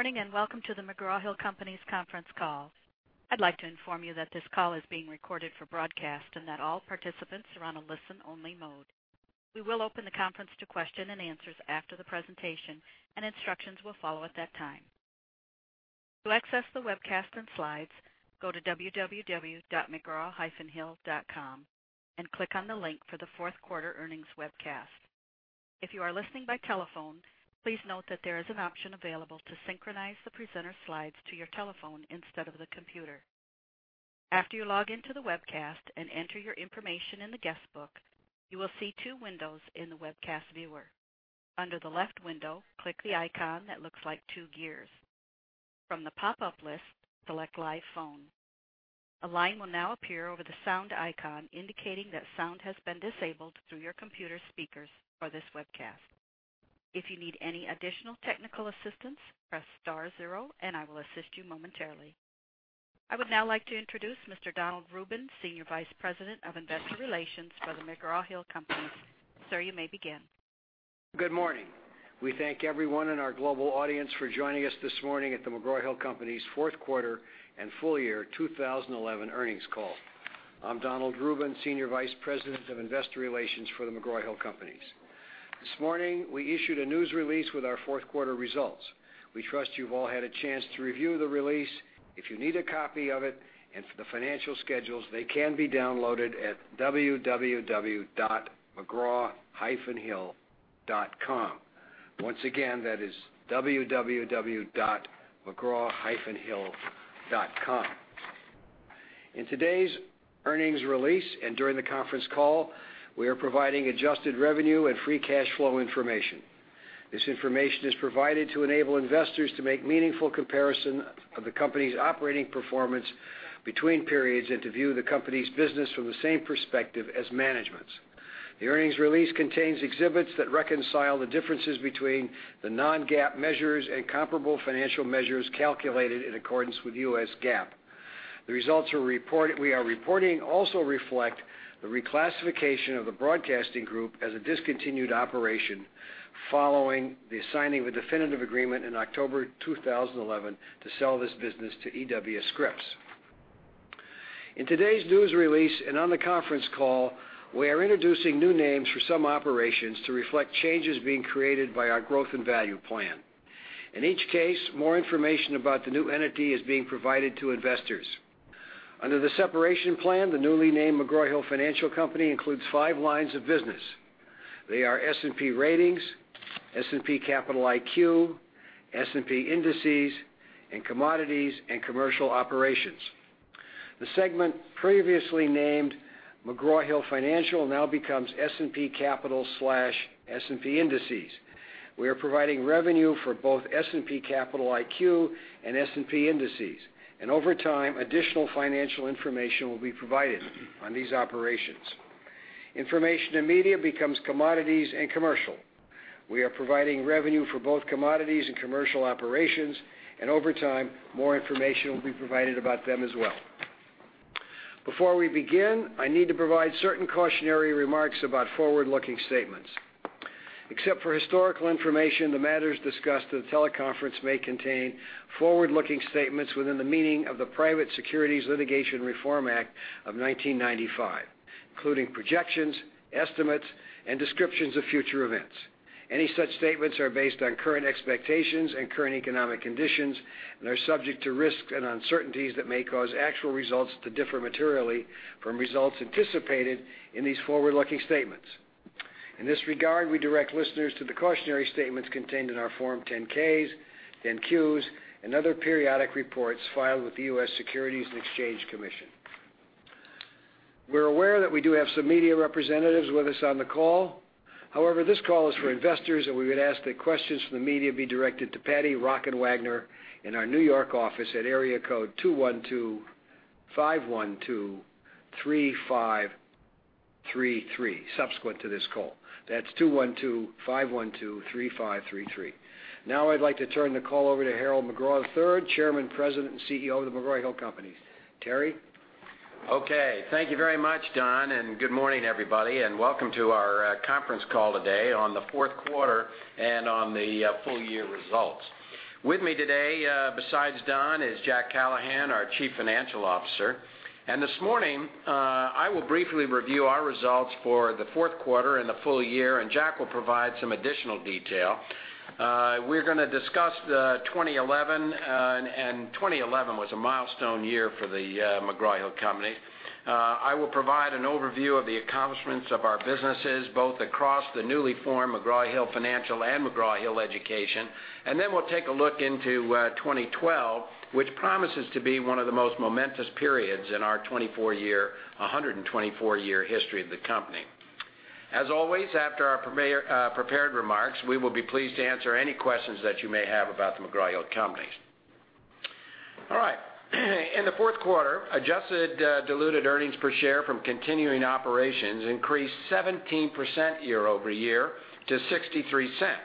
Morning and welcome to the McGraw-Hill Companies Conference Call. I'd like to inform you that this call is being recorded for broadcast and that all participants are on a listen-only mode. We will open the conference to questions and answers after the presentation, and instructions will follow at that time. To access the webcast and slides, go to www.spglobal.com and click on the link for the fourth quarter earnings webcast. If you are listening by telephone, please note that there is an option available to synchronize the presenter's slides to your telephone instead of the computer. After you log in to the webcast and enter your information in the guest book, you will see two windows in the webcast viewer. Under the left window, click the icon that looks like two gears. From the pop-up list, select Live Phone. A line will now appear over the sound icon indicating that sound has been disabled through your computer speakers for this webcast. If you need any additional technical assistance, press star zero and I will assist you momentarily. I would now like to introduce Mr. Donald Rubin, Senior Vice President of Investor Relations for McGraw-Hill Companies. Sir, you may begin. Good morning. We thank everyone in our global audience for joining us this morning at The McGraw-Hill Companies' fourth quarter and full year 2011 earnings call. I'm Donald Rubin, Senior Vice President of Investor Relations for The McGraw-Hill Companies. This morning, we issued a news release with our fourth quarter results. We trust you've all had a chance to review the release. If you need a copy of it and the financial schedules, they can be downloaded at www.mcgraw-hill.com. Once again, that is www.mcgraw-hill.com. In today's earnings release and during the conference call, we are providing adjusted revenue and free cash flow information. This information is provided to enable investors to make meaningful comparisons of the company's operating performance between periods and to view the company's business from the same perspective as management. The earnings release contains exhibits that reconcile the differences between the non-GAAP measures and comparable financial measures calculated in accordance with U.S. GAAP. The results we are reporting also reflect the reclassification of the broadcasting group as a discontinued operation following the signing of a definitive agreement in October 2011 to sell this business to E.W. Scripps. In today's news release and on the conference call, we are introducing new names for some operations to reflect changes being created by our growth and value plan. In each case, more information about the new entity is being provided to investors. Under the separation plan, the newly named McGraw-Hill Financial Company includes five lines of business. They are Standard & Poor’s Ratings, S&P Capital IQ, S&P Indices, Commodities, and Commercial Operations. The segment previously named McGraw-Hill Financial now becomes S&P Capital IQ/S&P Indices. We are providing revenue for both S&P Capital IQ and S&P Indices, and over time, additional financial information will be provided on these operations. Information and Media becomes Commodities and Commercial. We are providing revenue for both Commodities and Commercial operations, and over time, more information will be provided about them as well. Before we begin, I need to provide certain cautionary remarks about forward-looking statements. Except for historical information, the matters discussed in the teleconference may contain forward-looking statements within the meaning of the Private Securities Litigation Reform Act of 1995, including projections, estimates, and descriptions of future events. Any such statements are based on current expectations and current economic conditions and are subject to risks and uncertainties that may cause actual results to differ materially from results anticipated in these forward-looking statements. In this regard, we direct listeners to the cautionary statements contained in our Form 10-Ks, 10-Qs, and other periodic reports filed with the U.S. Securities and Exchange Commission. We're aware that we do have some media representatives with us on the call. However, this call is for investors, and we would ask that questions from the media be directed to Patty, Rock, and Wagner in our New York office at area code 212-512-3533 subsequent to this call. That's 212-512-3533. Now I'd like to turn the call over to Harold McGraw III, Chairman, President, and CEO of S&P Global. Terry? Okay. Thank you very much, Don, and good morning, everybody, and welcome to our conference call today on the fourth quarter and on the full-year results. With me today, besides Don, is Jack Callahan, our Chief Financial Officer. This morning, I will briefly review our results for the fourth quarter and the full year, and Jack will provide some additional detail. We're going to discuss 2011, and 2011 was a milestone year for The McGraw-Hill Companies. I will provide an overview of the accomplishments of our businesses both across the newly formed McGraw-Hill Financial and McGraw-Hill Education, and then we'll take a look into 2012, which promises to be one of the most momentous periods in our 124-year history of the company. As always, after our prepared remarks, we will be pleased to answer any questions that you may have about The McGraw-Hill Companies. All right. In the fourth quarter, adjusted diluted earnings per share from continuing operations increased 17% year-over-year to $0.63.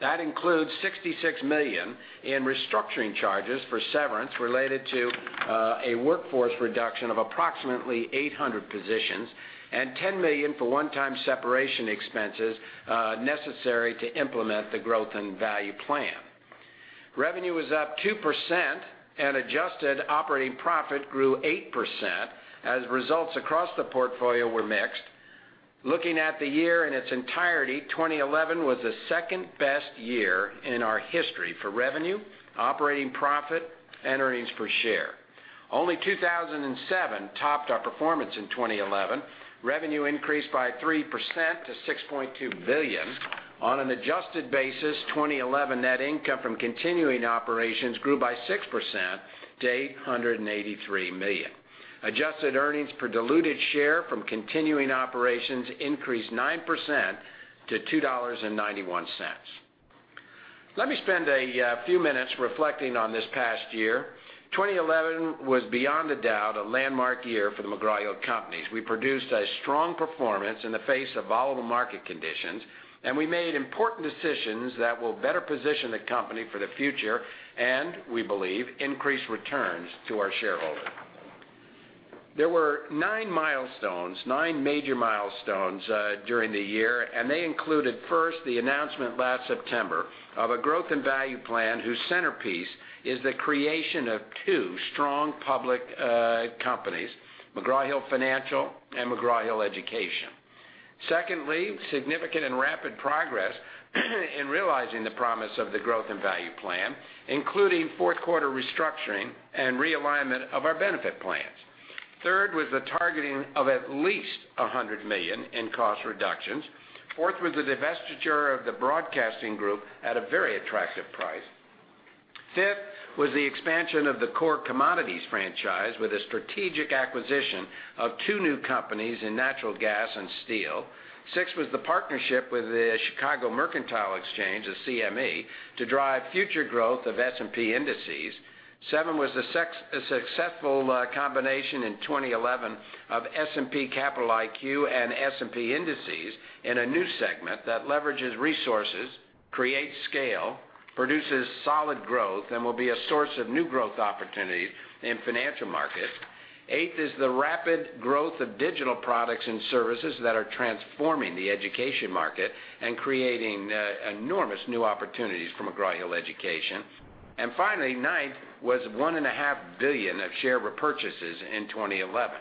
That includes $66 million in restructuring charges for severance related to a workforce reduction of approximately 800 positions and $10 million for one-time separation expenses necessary to implement the growth and value plan. Revenue was up 2%, and adjusted operating profit grew 8% as results across the portfolio were mixed. Looking at the year in its entirety, 2011 was the second-best year in our history for revenue, operating profit, and earnings per share. Only 2007 topped our performance in 2011. Revenue increased by 3% to $6.2 billion. On an adjusted basis, 2011 net income from continuing operations grew by 6% to $883 million. Adjusted earnings per diluted share from continuing operations increased 9% to $2.91. Let me spend a few minutes reflecting on this past year. 2011 was, beyond a doubt, a landmark year for The McGraw-Hill Companies. We produced a strong performance in the face of volatile market conditions, and we made important decisions that will better position the company for the future and, we believe, increase returns to our shareholders. There were nine milestones, nine major milestones, during the year, and they included, first, the announcement last September of a growth and value plan whose centerpiece is the creation of two strong public companies: McGraw-Hill Financial and McGraw-Hill Education. Secondly, significant and rapid progress in realizing the promise of the growth and value plan, including fourth quarter restructuring and realignment of our benefit plans. Third was the targeting of at least $100 million in cost reductions. Fourth was the divestiture of the broadcasting group at a very attractive price. Fifth was the expansion of the core commodities franchise with a strategic acquisition of two new companies in natural gas and steel. Sixth was the partnership with the CME Group to drive future growth of S&P Indices. Seventh was the successful combination in 2011 of S&P Capital IQ and S&P Indices in a new segment that leverages resources, creates scale, produces solid growth, and will be a source of new growth opportunities in financial markets. Eighth is the rapid growth of digital products and services that are transforming the education market and creating enormous new opportunities for McGraw-Hill Education. Finally, ninth was $1.5 billion of share repurchases in 2011.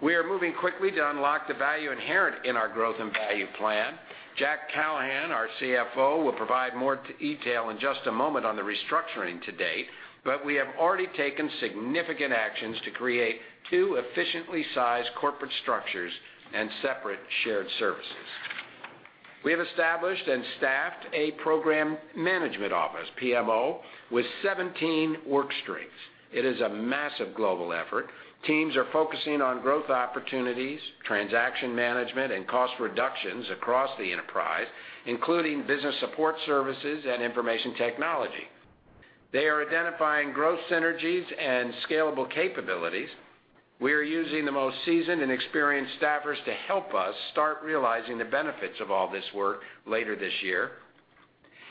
We are moving quickly to unlock the value inherent in our growth and value plan. Jack Callahan, our CFO, will provide more detail in just a moment on the restructuring to date, but we have already taken significant actions to create two efficiently sized corporate structures and separate shared services. We have established and staffed a Program Management Office (PMO) with 17 workstreams. It is a massive global effort. Teams are focusing on growth opportunities, transaction management, and cost reductions across the enterprise, including business support services and information technology. They are identifying growth synergies and scalable capabilities. We are using the most seasoned and experienced staffers to help us start realizing the benefits of all this work later this year.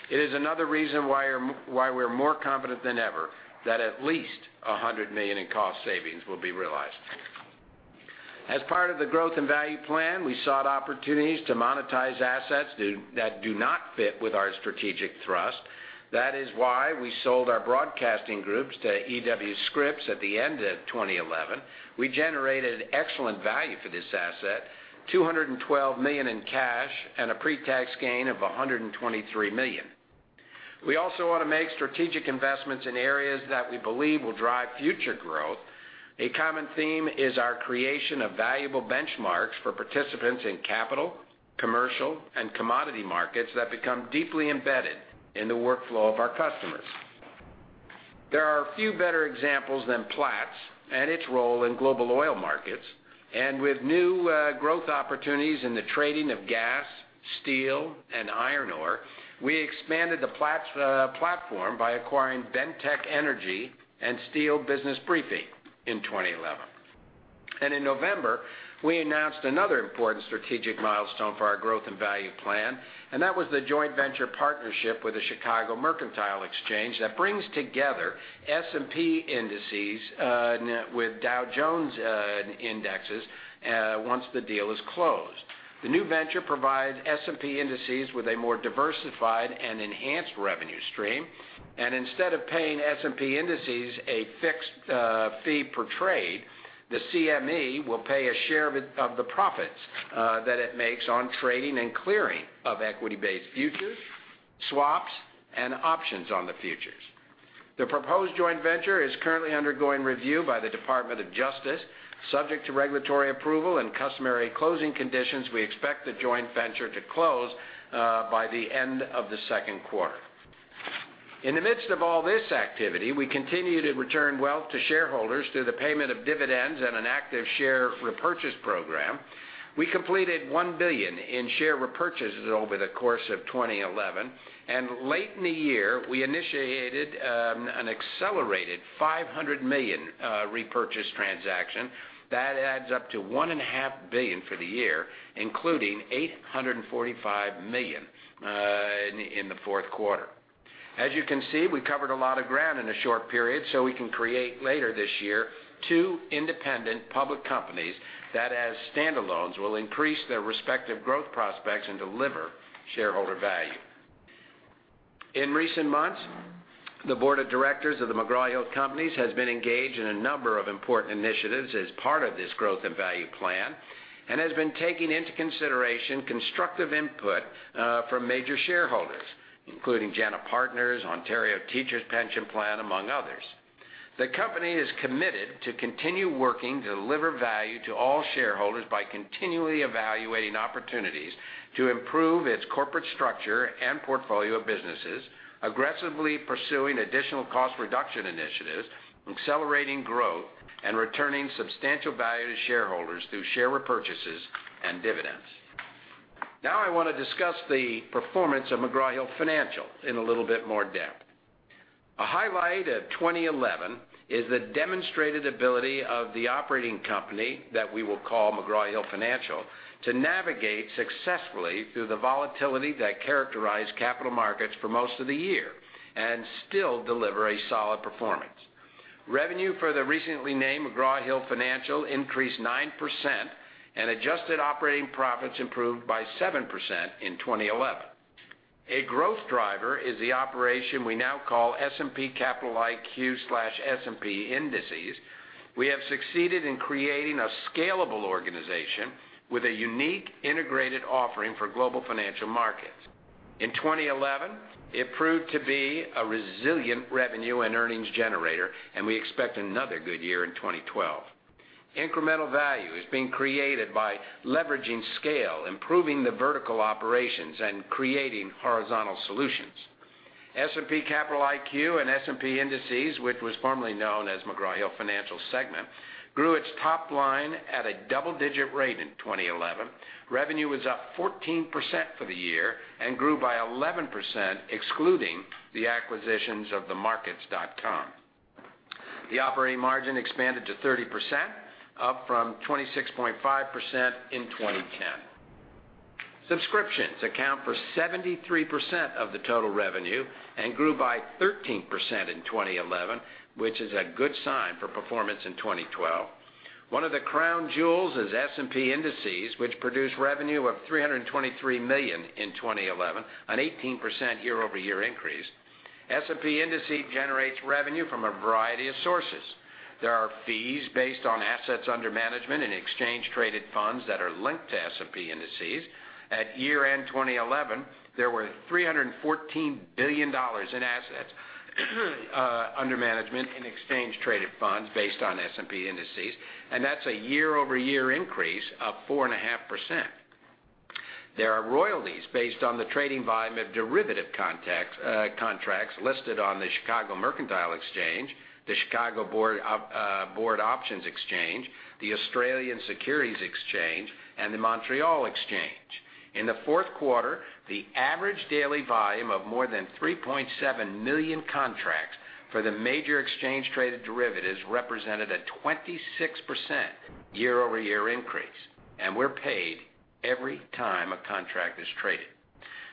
It is another reason why we're more confident than ever that at least $100 million in cost savings will be realized. As part of the growth and value plan, we sought opportunities to monetize assets that do not fit with our strategic thrust. That is why we sold our broadcasting group to E.W. Scripps at the end of 2011. We generated excellent value for this asset: $212 million in cash and a pre-tax gain of $123 million. We also want to make strategic investments in areas that we believe will drive future growth. A common theme is our creation of valuable benchmarks for participants in capital, commercial, and commodity markets that become deeply embedded in the workflow of our customers. There are a few better examples than Platts and its role in global oil markets. With new growth opportunities in the trading of gas, steel, and iron ore, we expanded the Platts platform by acquiring BENTEK Energy and Steel Business Briefing in 2011. In November, we announced another important strategic milestone for our growth and value plan, and that was the joint venture partnership with CME Group that brings together S&P Indices with Dow Jones Indexes once the deal is closed. The new venture provides S&P Indices with a more diversified and enhanced revenue stream. Instead of paying S&P Indices a fixed fee per trade, CME Group will pay a share of the profits that it makes on trading and clearing of equity-based futures, swaps, and options on the futures. The proposed joint venture is currently undergoing review by the Department of Justice, subject to regulatory approval and customary closing conditions. We expect the joint venture to close by the end of the second quarter. In the midst of all this activity, we continue to return wealth to shareholders through the payment of dividends and an active share repurchase program. We completed $1 billion in share repurchases over the course of 2011, and late in the year, we initiated an accelerated $500 million repurchase transaction. That adds up to $1.5 billion for the year, including $845 million in the fourth quarter. As you can see, we covered a lot of ground in a short period so we can create later this year two independent public companies that, as standalones, will increase their respective growth prospects and deliver shareholder value. In recent months, the Board of Directors of The McGraw-Hill Companies has been engaged in a number of important initiatives as part of this growth and value plan and has been taking into consideration constructive input from major shareholders, including JANA Partners, Ontario Teachers' Pension Plan, among others. The company is committed to continue working to deliver value to all shareholders by continually evaluating opportunities to improve its corporate structure and portfolio of businesses, aggressively pursuing additional cost reduction initiatives, accelerating growth, and returning substantial value to shareholders through share repurchases and dividends. Now I want to discuss the performance of McGraw-Hill Financial in a little bit more depth. A highlight of 2011 is the demonstrated ability of the operating company that we will call McGraw-Hill Financial to navigate successfully through the volatility that characterized capital markets for most of the year and still deliver a solid performance. Revenue for the recently named McGraw-Hill Financial increased 9% and adjusted operating profits improved by 7% in 2011. A growth driver is the operation we now call S&P Capital IQ/S&P Indices. We have succeeded in creating a scalable organization with a unique integrated offering for global financial markets. In 2011, it proved to be a resilient revenue and earnings generator, and we expect another good year in 2012. Incremental value is being created by leveraging scale, improving the vertical operations, and creating horizontal solutions. S&P Capital IQ and S&P Indices, which was formerly known as McGraw-Hill Financial segment, grew its top line at a double-digit rate in 2011. Revenue was up 14% for the year and grew by 11%, excluding the acquisitions of the Markets.com. The operating margin expanded to 30%, up from 26.5% in 2010. Subscriptions account for 73% of the total revenue and grew by 13% in 2011, which is a good sign for performance in 2012. One of the crown jewels is S&P Indices, which produced revenue of $323 million in 2011, an 18% year-over-year increase. S&P Indices generate revenue from a variety of sources. There are fees based on assets under management and exchange-traded funds that are linked to S&P Indices. At year-end 2011, there were $314 billion in assets under management in exchange-traded funds based on S&P Indices, and that's a year-over-year increase of 4.5%. There are royalties based on the trading volume of derivative contracts listed on the CME Group, the Chicago Board Options Exchange, the Australian Securities Exchange, and the Montreal Exchange. In the fourth quarter, the average daily volume of more than 3.7 million contracts for the major exchange-traded derivatives represented a 26% year-over-year increase, and we're paid every time a contract is traded.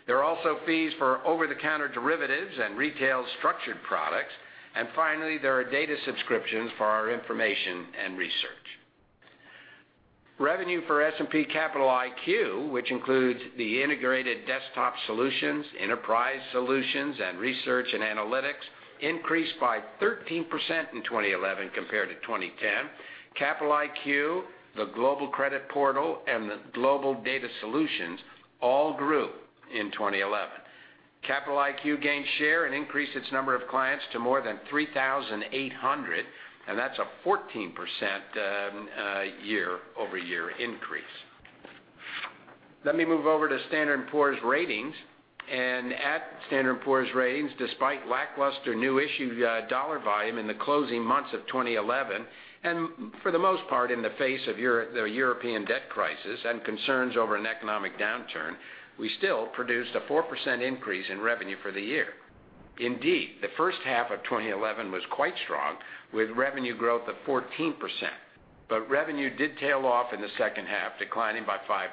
There are also fees for over-the-counter derivatives and retail structured products, and finally, there are data subscriptions for our information and research. Revenue for S&P Capital IQ, which includes the integrated desktop solutions, enterprise solutions, and research and analytics, increased by 13% in 2011 compared to 2010. Capital IQ, the Global Credit Portal, and the Global Data Solutions all grew in 2011. Capital IQ gained share and increased its number of clients to more than 3,800, and that's a 14% year-over-year increase. Let me move over to Standard & Poor’s Ratings. At Standard & Poor’s Ratings, despite lackluster new issue dollar volume in the closing months of 2011, and for the most part in the face of the European debt crisis and concerns over an economic downturn, we still produced a 4% increase in revenue for the year. Indeed, the first half of 2011 was quite strong with revenue growth of 14%, but revenue did tail off in the second half, declining by 5%.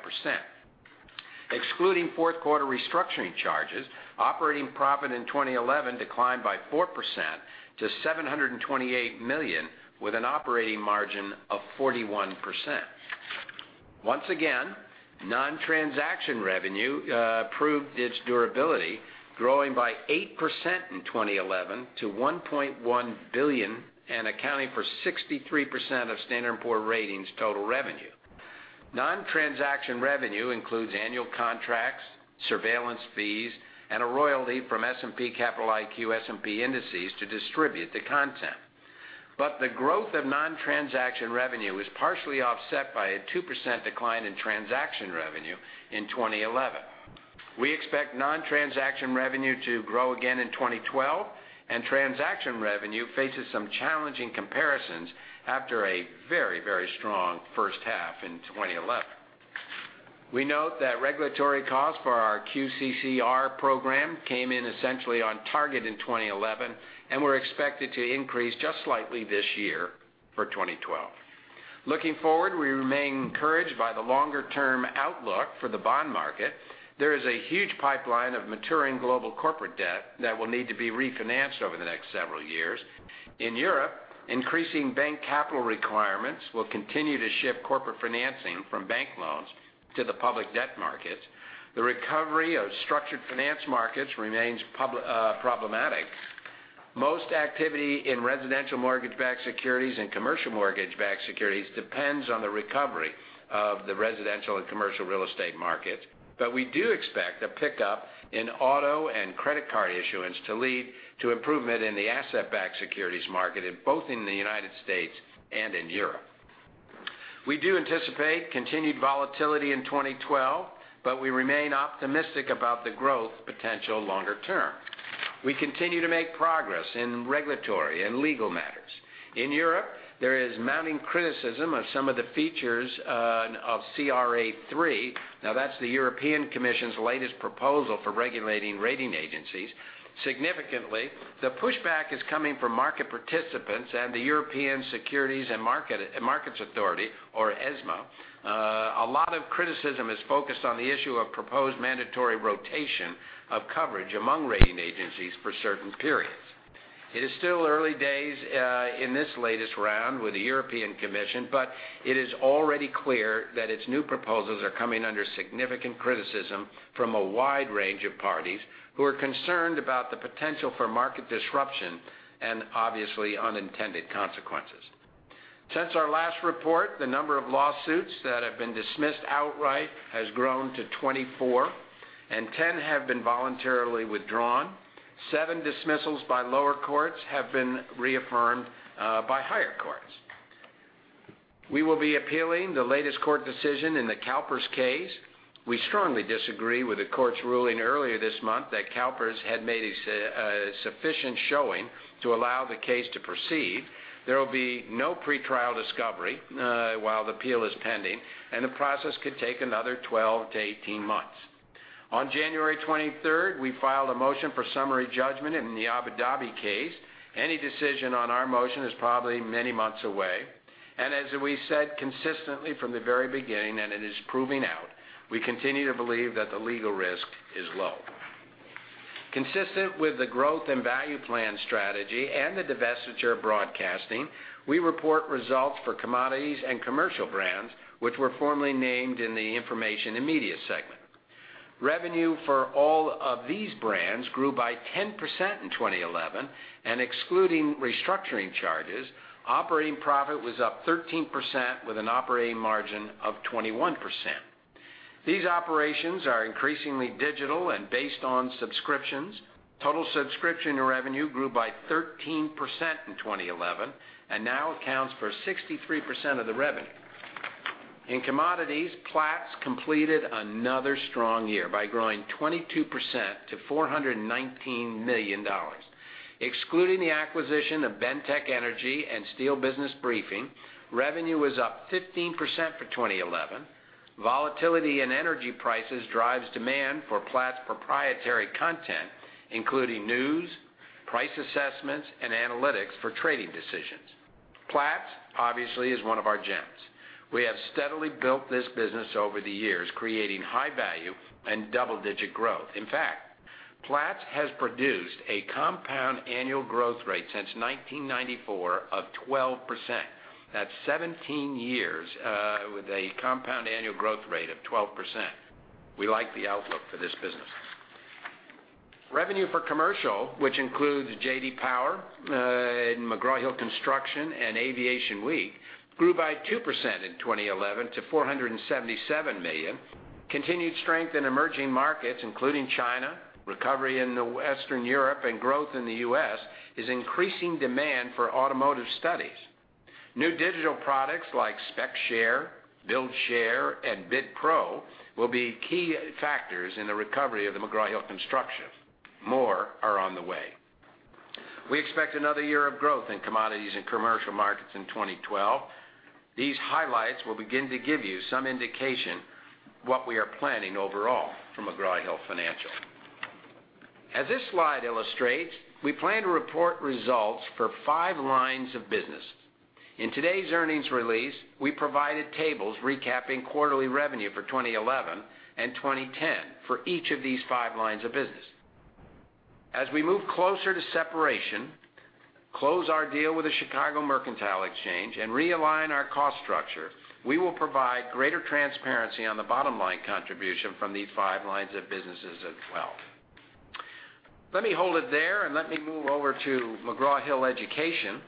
Excluding fourth quarter restructuring charges, operating profit in 2011 declined by 4% to $728 million with an operating margin of 41%. Once again, non-transaction revenue proved its durability, growing by 8% in 2011 to $1.1 billion and accounting for 63% of Standard & Poor’s Ratings' total revenue. Non-transaction revenue includes annual contracts, surveillance fees, and a royalty from S&P Capital IQ S&P Indices to distribute the content. The growth of non-transaction revenue is partially offset by a 2% decline in transaction revenue in 2011. We expect non-transaction revenue to grow again in 2012, and transaction revenue faces some challenging comparisons after a very, very strong first half in 2011. We note that regulatory costs for our QCCR program came in essentially on target in 2011 and were expected to increase just slightly this year for 2012. Looking forward, we remain encouraged by the longer-term outlook for the bond market. There is a huge pipeline of maturing global corporate debt that will need to be refinanced over the next several years. In Europe, increasing bank capital requirements will continue to shift corporate financing from bank loans to the public debt markets. The recovery of structured finance markets remains problematic. Most activity in residential mortgage-backed securities and commercial mortgage-backed securities depends on the recovery of the residential and commercial real estate markets, but we do expect a pickup in auto and credit card issuance to lead to improvement in the asset-backed securities market, both in the United States and in Europe. We do anticipate continued volatility in 2012, but we remain optimistic about the growth potential longer term. We continue to make progress in regulatory and legal matters. In Europe, there is mounting criticism of some of the features of CRA 3. Now, that's the European Commission's latest proposal for regulating rating agencies. Significantly, the pushback is coming from market participants and the European Securities and Markets Authority, or ESMA. A lot of criticism is focused on the issue of proposed mandatory rotation of coverage among rating agencies for certain periods. It is still early days in this latest round with the European Commission, but it is already clear that its new proposals are coming under significant criticism from a wide range of parties who are concerned about the potential for market disruption and obviously unintended consequences. Since our last report, the number of lawsuits that have been dismissed outright has grown to 24, and 10 have been voluntarily withdrawn. Seven dismissals by lower courts have been reaffirmed by higher courts. We will be appealing the latest court decision in the CalPERS case. We strongly disagree with the court's ruling earlier this month that CalPERS had made a sufficient showing to allow the case to proceed. There will be no pretrial discovery while the appeal is pending, and the process could take another 12 to 18 months. On January 23rd, we filed a motion for summary judgment in the Abu Dhabi case. Any decision on our motion is probably many months away. As we said consistently from the very beginning, and it is proving out, we continue to believe that the legal risk is low. Consistent with the growth and value plan strategy and the divestiture of broadcasting, we report results for commodities and commercial brands, which were formerly named in the information and media segment. Revenue for all of these brands grew by 10% in 2011, and excluding restructuring charges, operating profit was up 13% with an operating margin of 21%. These operations are increasingly digital and based on subscriptions. Total subscription revenue grew by 13% in 2011 and now accounts for 63% of the revenue. In commodities, Platts completed another strong year by growing 22% to $419 million. Excluding the acquisition of BENTEK Energy and Steel Business Briefing, revenue was up 15% for 2011. Volatility in energy prices drives demand for Platts' proprietary content, including news, price assessments, and analytics for trading decisions. Platts obviously is one of our gems. We have steadily built this business over the years, creating high-value and double-digit growth. In fact, Platts has produced a compound annual growth rate since 1994 of 12%. That's 17 years with a compound annual growth rate of 12%. We like the outlook for this business. Revenue for commercial, which includes J.D. Power, McGraw-Hill Construction, and Aviation Week, grew by 2% in 2011 to $477 million. Continued strength in emerging markets, including China, recovery in Western Europe, and growth in the U.S., is increasing demand for automotive studies. New digital products like SpecShare, BuildShare, and BidPro will be key factors in the recovery of McGraw-Hill Construction. More are on the way. We expect another year of growth in commodities and commercial markets in 2012. These highlights will begin to give you some indication of what we are planning overall for McGraw-Hill Financial. As this slide illustrates, we plan to report results for five lines of business. In today's earnings release, we provided tables recapping quarterly revenue for 2011 and 2010 for each of these five lines of business. As we move closer to separation, close our deal with the CME Group, and realign our cost structure, we will provide greater transparency on the bottom-line contribution from these five lines of business as well. Let me hold it there and let me move over to McGraw-Hill Education.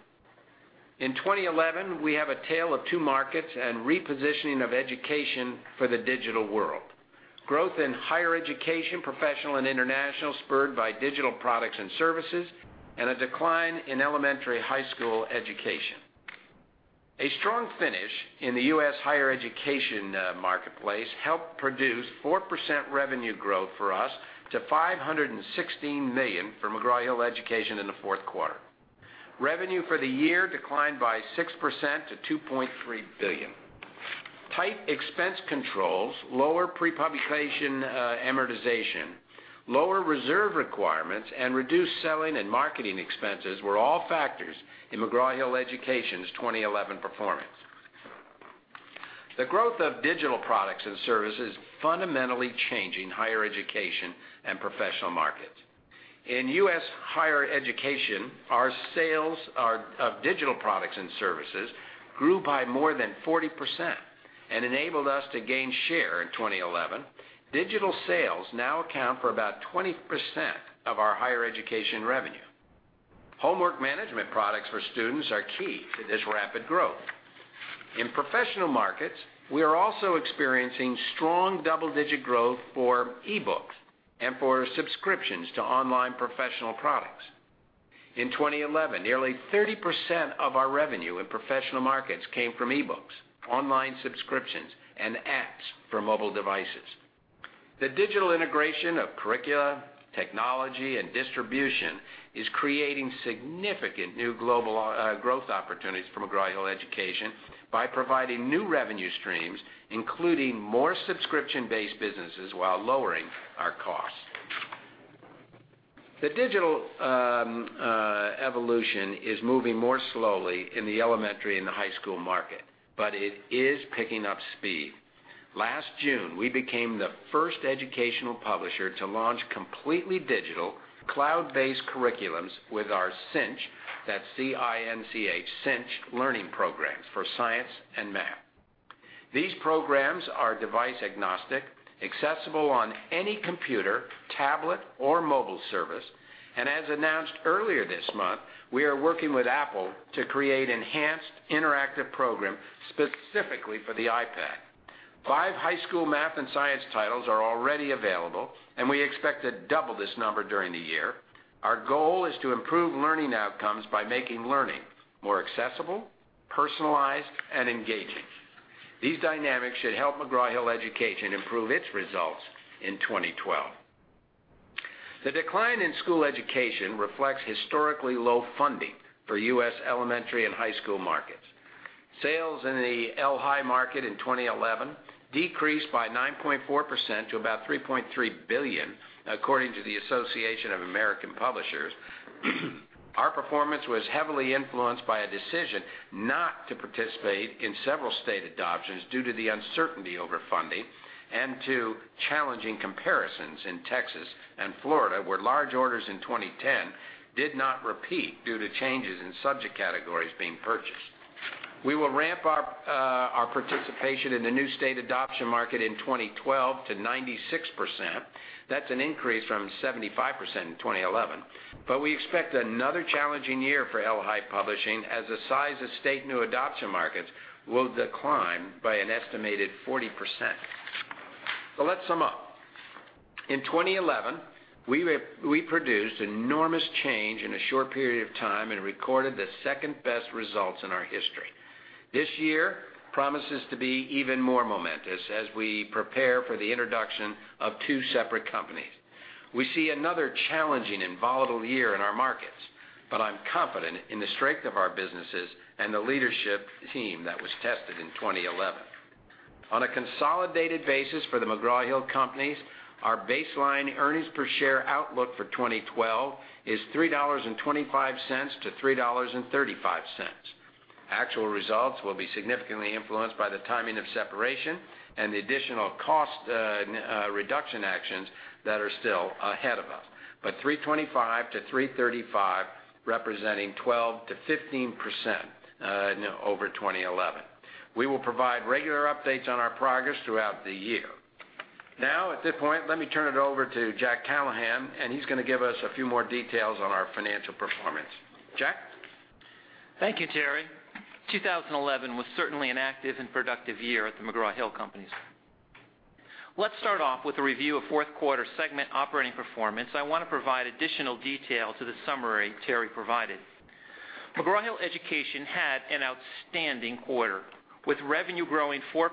In 2011, we have a tale of two markets and repositioning of education for the digital world. Growth in higher education, professional and international, spurred by digital products and services, and a decline in elementary high school education. A strong finish in the U.S. higher education marketplace helped produce 4% revenue growth for us to $516 million for McGraw-Hill Education in the fourth quarter. Revenue for the year declined by 6% to $2.3 billion. Tight expense controls, lower pre-publication amortization, lower reserve requirements, and reduced selling and marketing expenses were all factors in McGraw-Hill Education's 2011 performance. The growth of digital products and services is fundamentally changing higher education and professional markets. In U.S. higher education, our sales of digital products and services grew by more than 40% and enabled us to gain share in 2011. Digital sales now account for about 20% of our higher education revenue. Homework management products for students are key to this rapid growth. In professional markets, we are also experiencing strong double-digit growth for e-books and for subscriptions to online professional products. In 2011, nearly 30% of our revenue in professional markets came from e-books, online subscriptions, and apps for mobile devices. The digital integration of curricula, technology, and distribution is creating significant new global growth opportunities for McGraw-Hill Education by providing new revenue streams, including more subscription-based businesses while lowering our costs. The digital evolution is moving more slowly in the elementary and the high school market, but it is picking up speed. Last June, we became the first educational publisher to launch completely digital cloud-based curricula with our CINCH, that's C-I-N-C-H, CINCH learning programs for science and math. These programs are device-agnostic, accessible on any computer, tablet, or mobile service. As announced earlier this month, we are working with Apple to create an enhanced interactive program specifically for the iPad. Five high school math and science titles are already available, and we expect to double this number during the year. Our goal is to improve learning outcomes by making learning more accessible, personalized, and engaging. These dynamics should help McGraw-Hill Education improve its results in 2012. The decline in school education reflects historically low funding for U.S. elementary and high school markets. Sales in the LHI market in 2011 decreased by 9.4% to about $3.3 billion, according to the Association of American Publishers. Our performance was heavily influenced by a decision not to participate in several state adoptions due to the uncertainty over funding and to challenging comparisons in Texas and Florida, where large orders in 2010 did not repeat due to changes in subject categories being purchased. We will ramp up our participation in the new state adoption market in 2012 to 96%. That is an increase from 75% in 2011. We expect another challenging year for LHI publishing as the size of state new adoption markets will decline by an estimated 40%. To sum up, in 2011, we produced enormous change in a short period of time and recorded the second-best results in our history. This year promises to be even more momentous as we prepare for the introduction of two separate companies. We see another challenging and volatile year in our markets, but I'm confident in the strength of our businesses and the leadership team that was tested in 2011. On a consolidated basis for S&P Global, our baseline earnings per share outlook for 2012 is $3.25- $3.35. Actual results will be significantly influenced by the timing of separation and the additional cost reduction actions that are still ahead of us, but $3.25-$3.35 representing 12%-15% over 2011. We will provide regular updates on our progress throughout the year. Now, at this point, let me turn it over to Jack Callahan, and he's going to give us a few more details on our financial performance. Jack? Thank you, Terry. 2011 was certainly an active and productive year at The McGraw-Hill Companies. Let's start off with a review of fourth quarter segment operating performance. I want to provide additional detail to the summary Terry provided. McGraw-Hill Education had an outstanding quarter with revenue growing 4%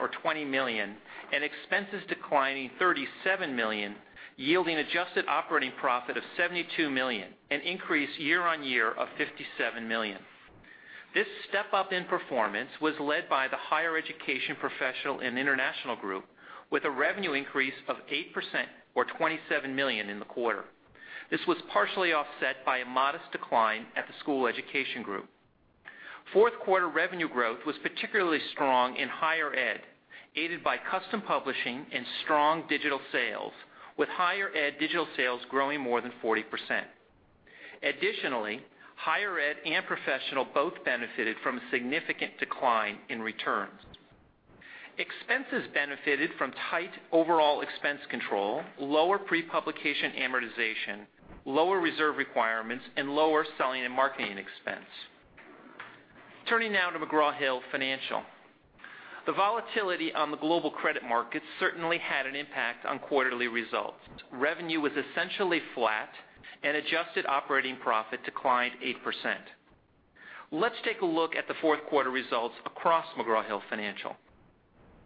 or $20 million and expenses declining $37 million, yielding an adjusted operating profit of $72 million, an increase year on year of $57 million. This step up in performance was led by the Higher Education, Professional, and International Group with a revenue increase of 8% or $27 million in the quarter. This was partially offset by a modest decline at the School Education Group. Fourth quarter revenue growth was particularly strong in Higher Ed, aided by custom publishing and strong digital sales, with Higher Ed digital sales growing more than 40%. Additionally, Higher Ed and Professional both benefited from a significant decline in returns. Expenses benefited from tight overall expense control, lower pre-publication amortization, lower reserve requirements, and lower selling and marketing expense. Turning now to McGraw-Hill Financial. The volatility in the global credit market certainly had an impact on quarterly results. Revenue was essentially flat, and adjusted operating profit declined 8%. Let's take a look at the fourth quarter results across McGraw-Hill Financial.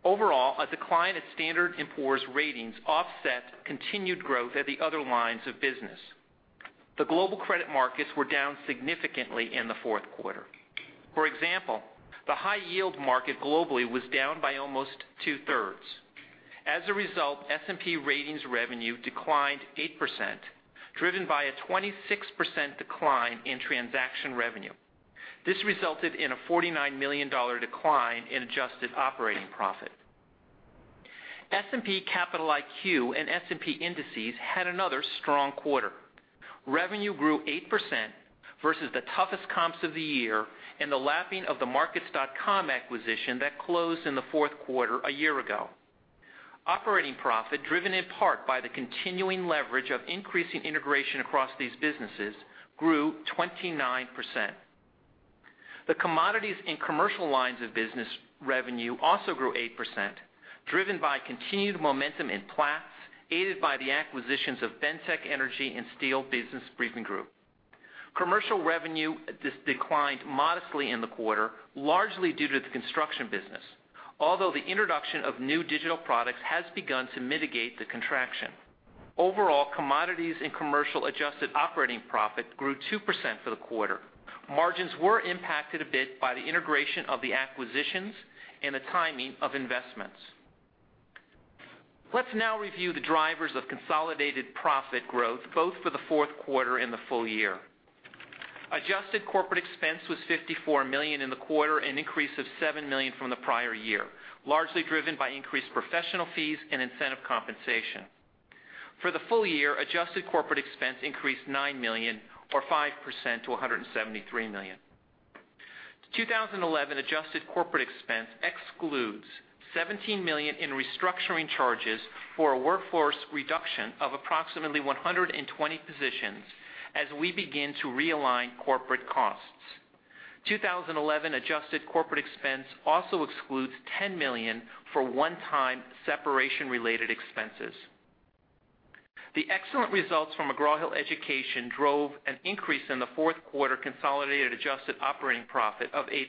Overall, a decline at Standard & Poor’s Ratings offset continued growth at the other lines of business. The global credit markets were down significantly in the fourth quarter. For example, the high yield market globally was down by almost two-thirds. As a result, S&P Ratings revenue declined 8%, driven by a 26% decline in transaction revenue. This resulted in a $49 million decline in adjusted operating profit. S&P Capital IQ and S&P Indices had another strong quarter. Revenue grew 8% versus the toughest comps of the year and the lapping of the Markets.com acquisition that closed in the fourth quarter a year ago. Operating profit, driven in part by the continuing leverage of increasing integration across these businesses, grew 29%. The Commodities and Commercial lines of business revenue also grew 8%, driven by continued momentum in Platts, aided by the acquisitions of BENTEK Energy and Steel Business Briefing Group. Commercial revenue declined modestly in the quarter, largely due to the construction business, although the introduction of new digital products has begun to mitigate the contraction. Overall, commodities and commercial adjusted operating profit grew 2% for the quarter. Margins were impacted a bit by the integration of the acquisitions and the timing of investments. Let's now review the drivers of consolidated profit growth, both for the fourth quarter and the full year. Adjusted corporate expense was $54 million in the quarter, an increase of $7 million from the prior year, largely driven by increased professional fees and incentive compensation. For the full year, adjusted corporate expense increased $9 million or 5% to $173 million. 2011 adjusted corporate expense excludes $17 million in restructuring charges for a workforce reduction of approximately 120 positions as we begin to realign corporate costs. 2011 adjusted corporate expense also excludes $10 million for one-time separation-related expenses. The excellent results from McGraw-Hill Education drove an increase in the fourth quarter consolidated adjusted operating profit of 8%.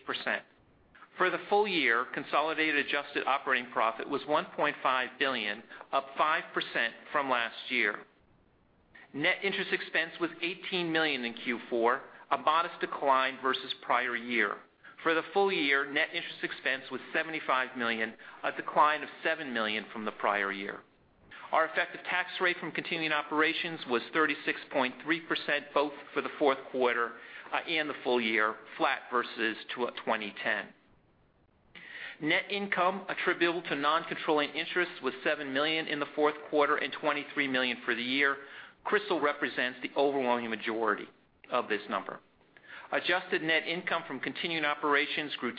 For the full year, consolidated adjusted operating profit was $1.5 billion, up 5% from last year. Net interest expense was $18 million in Q4, a modest decline versus prior year. For the full year, net interest expense was $75 million, a decline of $7 million from the prior year. Our effective tax rate from continuing operations was 36.3% both for the fourth quarter and the full year, flat versus 2010. Net income attributable to non-controlling interest was $7 million in the fourth quarter and $23 million for the year. Crystal represents the overwhelming majority of this number. Adjusted net income from continuing operations grew 10%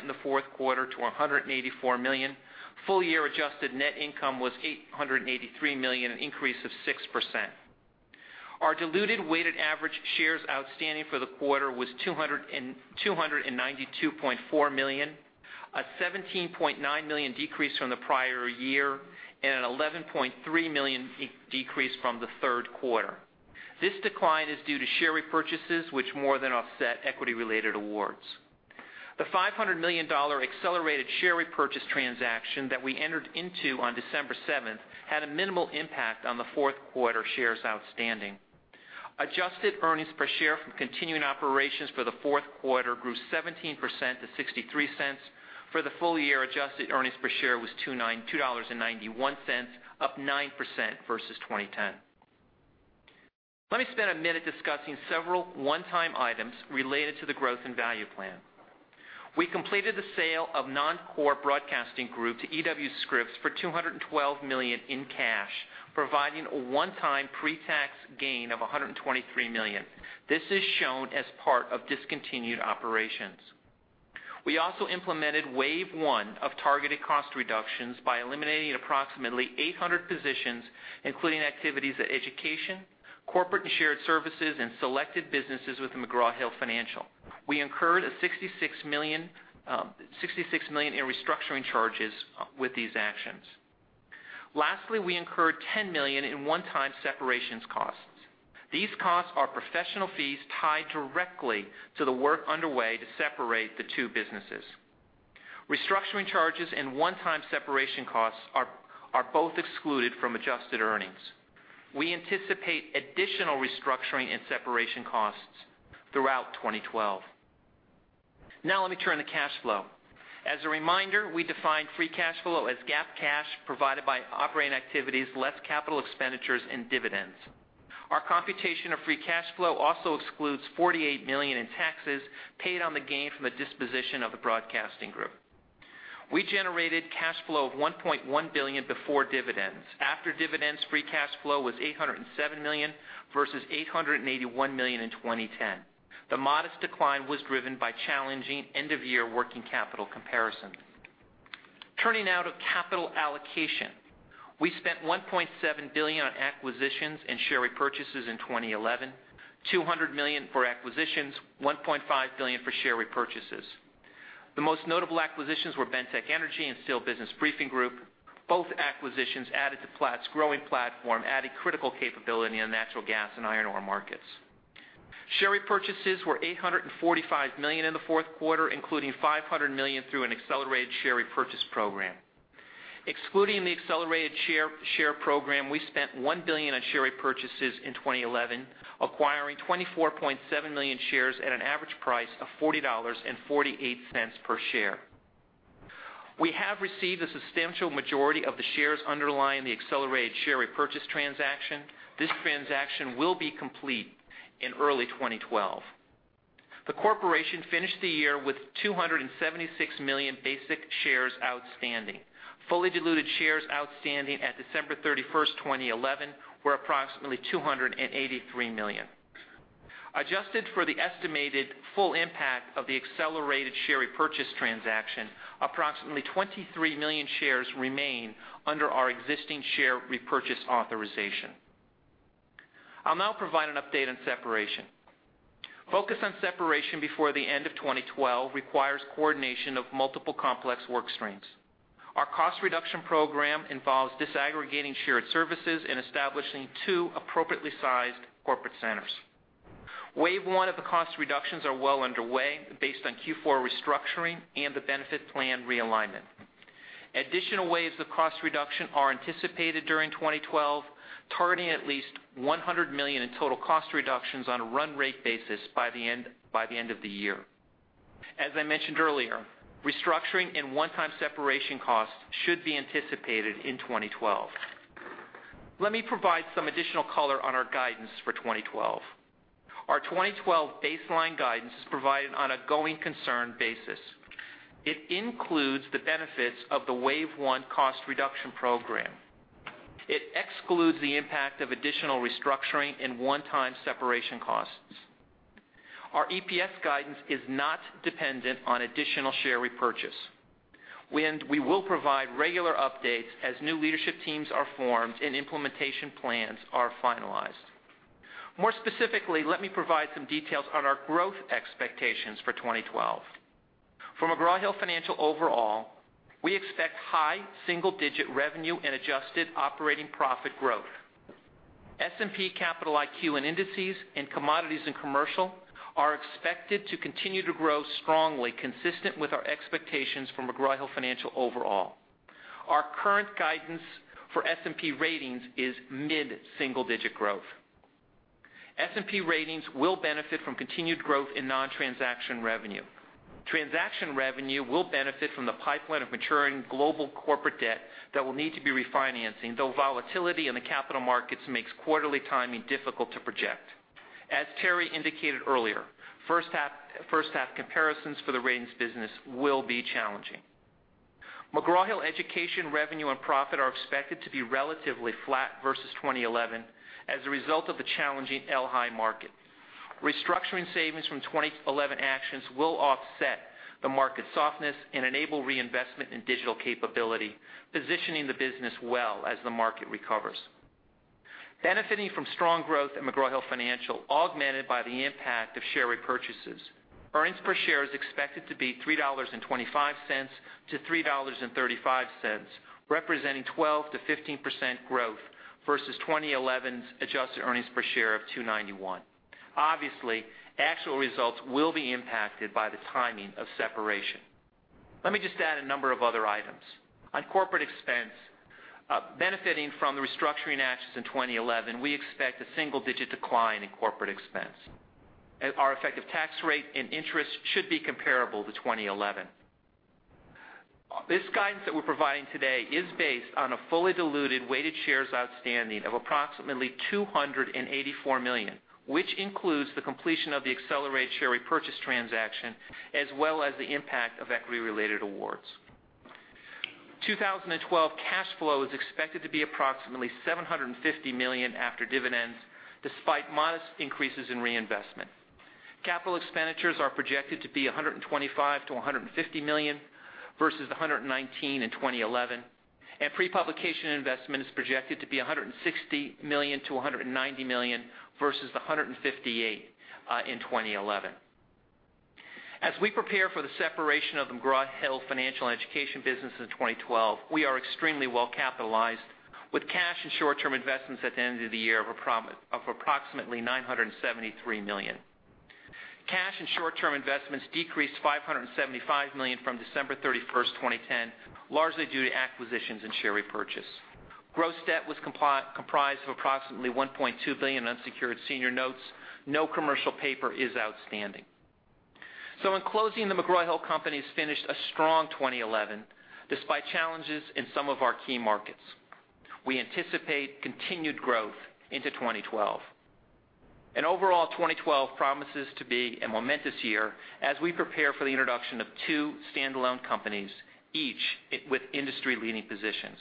in the fourth quarter to $184 million. Full year adjusted net income was $883 million, an increase of 6%. Our diluted weighted average shares outstanding for the quarter was 292.4 million, a 17.9 million decrease from the prior year, and an 11.3 million decrease from the third quarter. This decline is due to share repurchases, which more than offset equity-related awards. The $500 million accelerated share repurchase transaction that we entered into on December 7th had a minimal impact on the fourth quarter shares outstanding. Adjusted earnings per share from continuing operations for the fourth quarter grew 17% to $0.63. For the full year, adjusted earnings per share was $2.91, up 9% versus 2010. Let me spend a minute discussing several one-time items related to the growth and value plan. We completed the sale of the non-core broadcasting group to E.W. Scripps for $212 million in cash, providing a one-time pre-tax gain of $123 million. This is shown as part of discontinued operations. We also implemented wave one of targeted cost reductions by eliminating approximately 800 positions, including activities of Education, Corporate and Shared Services, and selected businesses within McGraw-Hill Financial. We incurred $66 million in restructuring charges with these actions. Lastly, we incurred $10 million in one-time separation costs. These costs are professional fees tied directly to the work underway to separate the two businesses. Restructuring charges and one-time separation costs are both excluded from adjusted earnings. We anticipate additional restructuring and separation costs throughout 2012. Now let me turn to cash flow. As a reminder, we define free cash flow as GAAP cash provided by operating activities, less capital expenditures and dividends. Our computation of free cash flow also excludes $48 million in taxes paid on the gain from the disposition of the broadcasting group. We generated cash flow of $1.1 billion before dividends. After dividends, free cash flow was $807 million versus $881 million in 2010. The modest decline was driven by a challenging end-of-year working capital comparison. Turning now to capital allocation. We spent $1.7 billion on acquisitions and share repurchases in 2011, $200 million for acquisitions, $1.5 billion for share repurchases. The most notable acquisitions were BENTEK Energy and Steel Business Briefing. Both acquisitions added to Platts' growing platform, adding critical capability in the natural gas and iron ore markets. Share repurchases were $845 million in the fourth quarter, including $500 million through an accelerated share repurchase program. Excluding the accelerated share program, we spent $1 billion in share repurchases in 2011, acquiring 24.7 million shares at an average price of $40.48 per share. We have received a substantial majority of the shares underlying the accelerated share repurchase transaction. This transaction will be complete in early 2012. The corporation finished the year with 276 million basic shares outstanding. Fully diluted shares outstanding at December 31, 2011, were approximately 283 million. Adjusted for the estimated full impact of the accelerated share repurchase transaction, approximately 23 million shares remain under our existing share repurchase authorization. I'll now provide an update on separation. Focus on separation before the end of 2012 requires coordination of multiple complex workstreams. Our cost reduction program involves disaggregating shared services and establishing two appropriately sized corporate centers. Wave one of the cost reductions is well underway based on Q4 restructuring and the benefit plan realignment. Additional waves of cost reduction are anticipated during 2012, targeting at least $100 million in total cost reductions on a run-rate basis by the end of the year. As I mentioned earlier, restructuring and one-time separation costs should be anticipated in 2012. Let me provide some additional color on our guidance for 2012. Our 2012 baseline guidance is provided on a going concern basis. It includes the benefits of the wave one cost reduction program. It excludes the impact of additional restructuring and one-time separation costs. Our EPS guidance is not dependent on additional share repurchase. We will provide regular updates as new leadership teams are formed and implementation plans are finalized. More specifically, let me provide some details on our growth expectations for 2012. For McGraw-Hill Financial overall, we expect high single-digit revenue and adjusted operating profit growth. S&P Capital IQ and indices and commodities and commercial are expected to continue to grow strongly, consistent with our expectations for McGraw-Hill Financial overall. Our current guidance for S&P ratings is mid-single-digit growth. S&P ratings will benefit from continued growth in non-transaction revenue. Transaction revenue will benefit from the pipeline of maturing global corporate debt that will need to be refinancing, though volatility in the capital markets makes quarterly timing difficult to project. As Terry indicated earlier, first half comparisons for the ratings business will be challenging. McGraw-Hill Education revenue and profit are expected to be relatively flat versus 2011 as a result of the challenging LHI market. Restructuring savings from 2011 actions will offset the market softness and enable reinvestment in digital capability, positioning the business well as the market recovers. Benefiting from strong growth in McGraw-Hill Financial, augmented by the impact of share repurchases, earnings per share is expected to be $3.25-$3.35, representing 12%-15% growth versus 2011's adjusted earnings per share of $2.91. Obviously, actual results will be impacted by the timing of separation. Let me just add a number of other items. On corporate expense, benefiting from the restructuring actions in 2011, we expect a single-digit decline in corporate expense. Our effective tax rate and interest should be comparable to 2011. This guidance that we're providing today is based on a fully diluted weighted shares outstanding of approximately 284 million, which includes the completion of the accelerated share repurchase transaction, as well as the impact of equity-related awards. 2012 cash flow is expected to be approximately $750 million after dividends, despite modest increases in reinvestment. Capital expenditures are projected to be $125 million-$150 million versus $119 million in 2011, and pre-publication investment is projected to be $160 million-$190 million versus $158 million in 2011. As we prepare for the separation of the McGraw-Hill Financial Education business in 2012, we are extremely well capitalized with cash and short-term investments at the end of the year of approximately $973 million. Cash and short-term investments decreased $575 million from December 31, 2010, largely due to acquisitions and share repurchase. Gross debt was comprised of approximately $1.2 billion in unsecured senior notes. No commercial paper is outstanding. In closing, The McGraw-Hill Companies finished a strong 2011 despite challenges in some of our key markets. We anticipate continued growth into 2012. Overall, 2012 promises to be a momentous year as we prepare for the introduction of two standalone companies, each with industry-leading positions.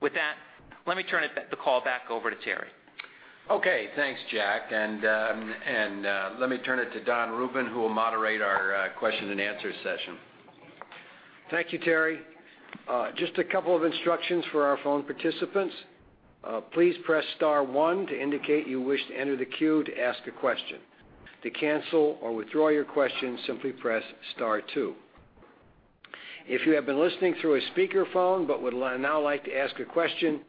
With that, let me turn the call back over to Terry. Okay. Thanks, Jack. Let me turn it to Don Rubin, who will moderate our question and answer session. Thank you, Terry. Just a couple of instructions for our phone participants. Please press star one to indicate you wish to enter the queue to ask a question. To cancel or withdraw your question, simply press star two. If you have been listening through a speakerphone but would now like to ask a question,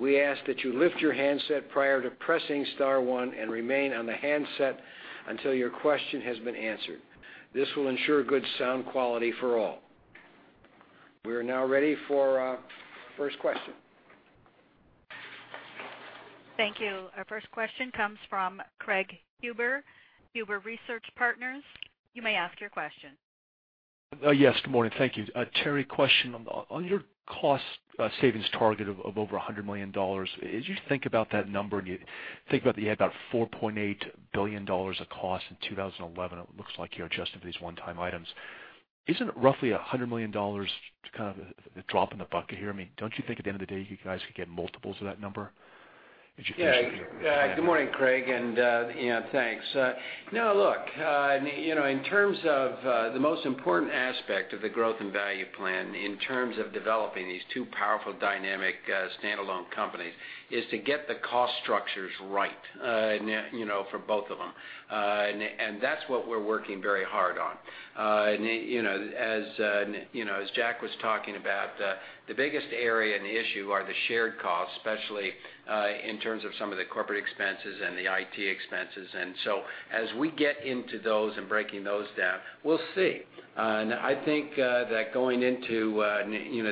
we ask that you lift your handset prior to pressing star one and remain on the handset until your question has been answered. This will ensure good sound quality for all. We are now ready for our first question. Thank you. Our first question comes from Craig Huber, Huber Research Partners. You may ask your question. Yes. Good morning. Thank you. Terry, question on your cost savings target of over $100 million. As you think about that number and you think about that you had about $4.8 billion of cost in 2011, it looks like you're adjusting for these one-time items. Isn't it roughly $100 million kind of a drop in the bucket here? I mean, don't you think at the end of the day you guys could get multiples of that number? Good morning, Craig, and thanks. In terms of the most important aspect of the growth and value plan in developing these two powerful, dynamic standalone companies, it is to get the cost structures right for both of them. That's what we're working very hard on. As Jack was talking about, the biggest area and the issue are the shared costs, especially in terms of some of the corporate expenses and the IT expenses. As we get into those and break those down, we'll see. I think that going into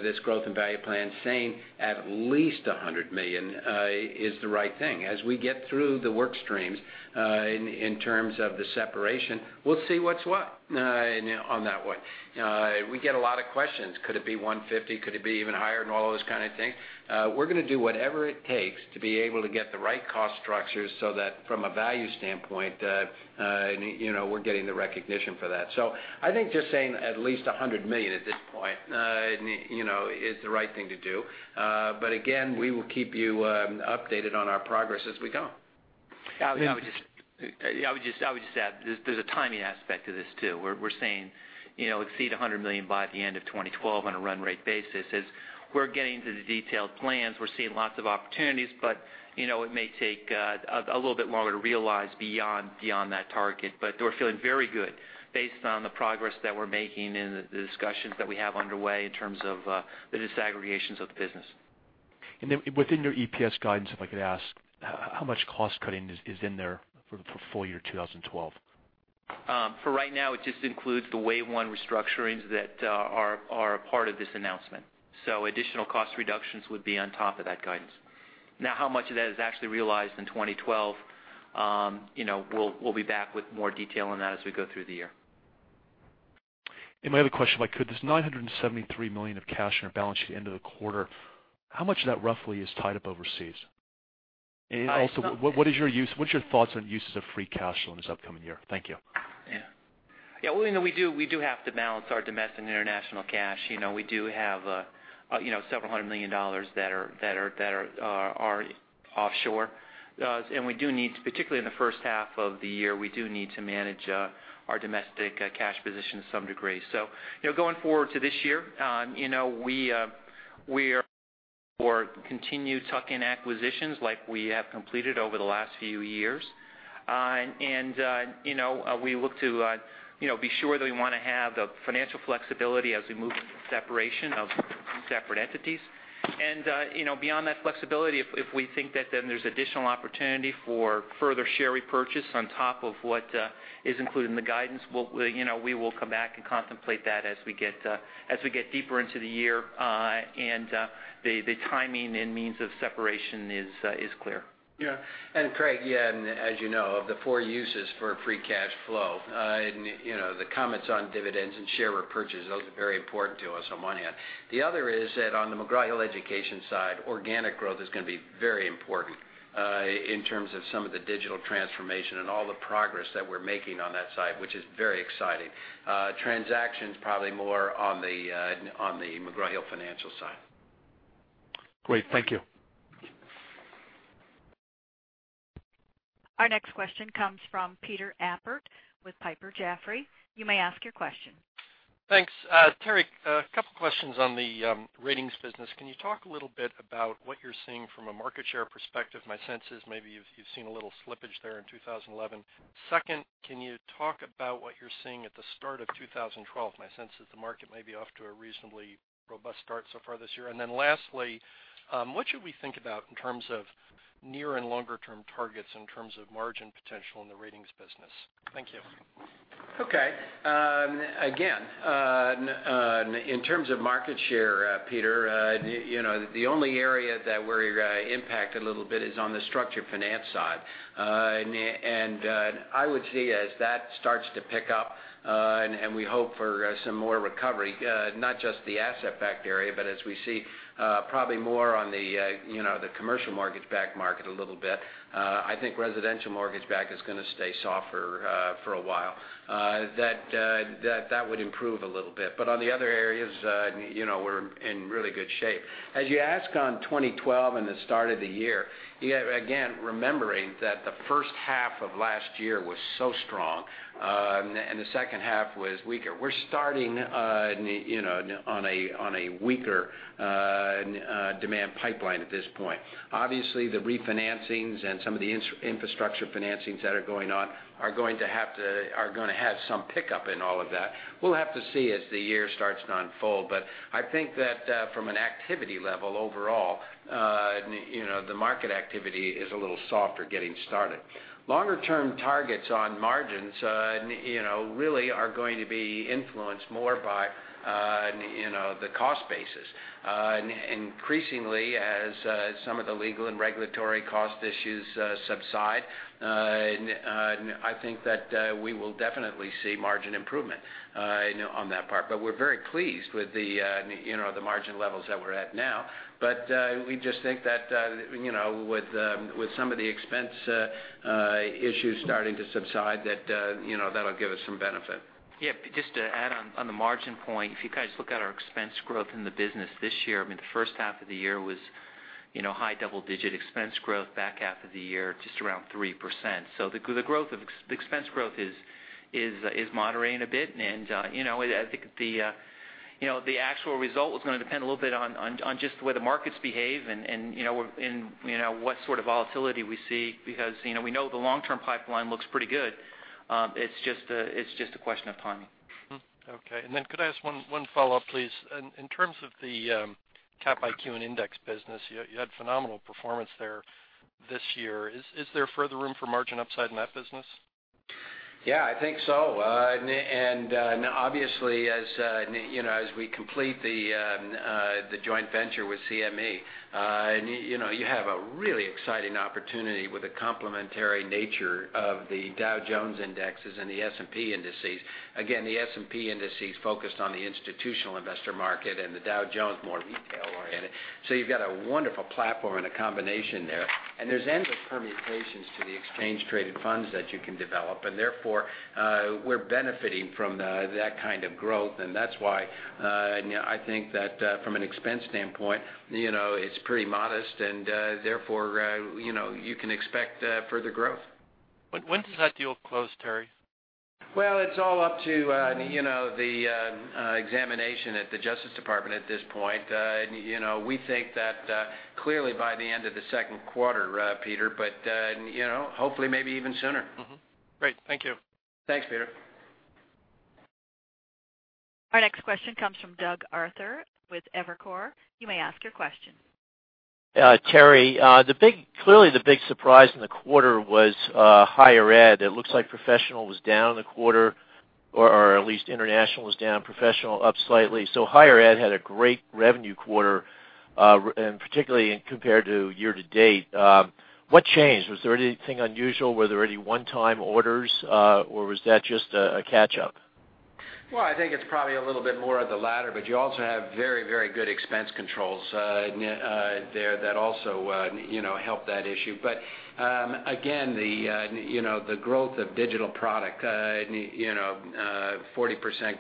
this growth and value plan, saying at least $100 million is the right thing. As we get through the workstreams in terms of the separation, we'll see what's what on that one. We get a lot of questions. Could it be $150 million? Could it be even higher? All those kind of things. We're going to do whatever it takes to be able to get the right cost structures so that from a value standpoint, we're getting the recognition for that. I think just saying at least $100 million at this point is the right thing to do. We will keep you updated on our progress as we go. Yeah. I would just add there's a timing aspect to this too. We're saying, you know, exceed $100 million by the end of 2012 on a run-rate basis. As we're getting to the detailed plans, we're seeing lots of opportunities, but it may take a little bit longer to realize beyond that target. We're feeling very good based on the progress that we're making and the discussions that we have underway in terms of the disaggregations of the business. Within your EPS guidance, if I could ask, how much cost cutting is in there for the full year 2012? For right now, it just includes the wave one restructurings that are a part of this announcement. Additional cost reductions would be on top of that guidance. How much of that is actually realized in 2012, we'll be back with more detail on that as we go through the year. My other question, could this $973 million of cash on your balance sheet end of the quarter, how much of that roughly is tied up overseas? Also, what is your thoughts on uses of free cash flow in this upcoming year? Thank you. Yeah. You know, we do have to balance our domestic and international cash. We do have several hundred million dollars that are offshore. We do need, particularly in the first half of the year, to manage our domestic cash position to some degree. Going forward to this year, we're going to continue tuck-in acquisitions like we have completed over the last few years. We look to be sure that we want to have the financial flexibility as we move to separation of separate entities. Beyond that flexibility, if we think that then there's additional opportunity for further share repurchase on top of what is included in the guidance, we will come back and contemplate that as we get deeper into the year. The timing and means of separation is clear. Yeah, Craig, as you know, of the four uses for free cash flow, the comments on dividends and share repurchases are very important to us on one hand. The other is that on the McGraw-Hill Education side, organic growth is going to be very important in terms of some of the digital transformation and all the progress that we're making on that side, which is very exciting. Transactions are probably more on the McGraw-Hill Financial side. Great, thank you. Our next question comes from Peter Appert with Piper Jaffray. You may ask your question. Thanks. Terry, a couple of questions on the ratings business. Can you talk a little bit about what you're seeing from a market share perspective? My sense is maybe you've seen a little slippage there in 2011. Second, can you talk about what you're seeing at the start of 2012? My sense is the market may be off to a reasonably robust start so far this year. Lastly, what should we think about in terms of near and longer-term targets in terms of margin potential in the ratings business? Thank you. Okay. Again, in terms of market share, Peter, the only area that we're impacted a little bit is on the structured finance side. I would see as that starts to pick up and we hope for some more recovery, not just the asset-backed area, but as we see probably more on the commercial mortgage-backed market a little bit, I think residential mortgage-backed is going to stay softer for a while. That would improve a little bit. On the other areas, we're in really good shape. As you ask on 2012 and the start of the year, remembering that the first half of last year was so strong and the second half was weaker, we're starting on a weaker demand pipeline at this point. Obviously, the refinancings and some of the infrastructure financings that are going on are going to have to have some pickup in all of that. We'll have to see as the year starts to unfold. I think that from an activity level overall, the market activity is a little softer getting started. Longer-term targets on margins really are going to be influenced more by the cost basis. Increasingly, as some of the legal and regulatory cost issues subside, I think that we will definitely see margin improvement on that part. We're very pleased with the margin levels that we're at now. We just think that with some of the expense issues starting to subside, that'll give us some benefit. Yeah. Just to add on the margin point, if you guys look at our expense growth in the business this year, the first half of the year was high double-digit expense growth. Back half of the year, just around 3%. The growth of the expense growth is moderating a bit. I think the actual result is going to depend a little bit on just the way the markets behave and what sort of volatility we see because we know the long-term pipeline looks pretty good. It's just a question of timing. Okay. Could I ask one follow-up, please? In terms of the Cap IQ Pro and index business, you had phenomenal performance there this year. Is there further room for margin upside in that business? Yeah, I think so. Obviously, as we complete the joint venture with CME Group, you have a really exciting opportunity with the complementary nature of the Dow Jones Indexes and the S&P Indices. The S&P Indices are focused on the institutional investor market and the Dow Jones more retail-oriented. You've got a wonderful platform and a combination there. There are endless permutations to the exchange-traded funds that you can develop. Therefore, we're benefiting from that kind of growth. That's why I think that from an expense standpoint, it's pretty modest. Therefore, you can expect further growth. When does that deal close, Terry? It is all up to the examination at the Justice Department at this point. We think that clearly by the end of the second quarter, Peter, hopefully maybe even sooner. Great. Thank you. Thanks, Peter. Our next question comes from Doug Arthur with Evercore. You may ask your question. Yeah. Terry, clearly the big surprise in the quarter was higher ed. It looks like professional was down in the quarter, or at least international was down, professional up slightly. Higher ed had a great revenue quarter, and particularly compared to year to date. What changed? Was there anything unusual? Were there any one-time orders, or was that just a catch-up? I think it's probably a little bit more of the latter, but you also have very, very good expense controls there that also help that issue. Again, the growth of digital product, 40%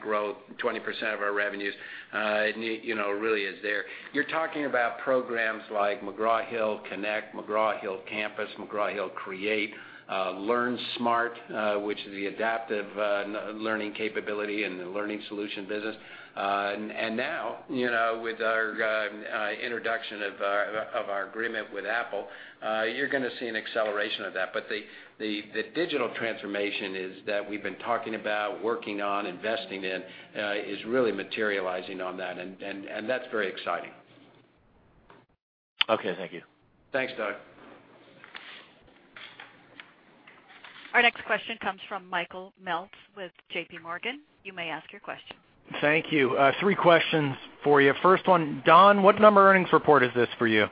growth, 20% of our revenues, really is there. You're talking about programs like McGraw-Hill Connect, McGraw-Hill Campus, McGraw-Hill Create, LearnSmart, which is the adaptive learning capability in the learning solution business. Now, with our introduction of our agreement with Apple, you're going to see an acceleration of that. The digital transformation that we've been talking about, working on, investing in is really materializing on that. That's very exciting. Okay, thank you. Thanks, Doug. Our next question comes from Michael Meltz with J.P. Morgan. You may ask your question. Thank you. Three questions for you. First one, Don, what number earnings report is this for you?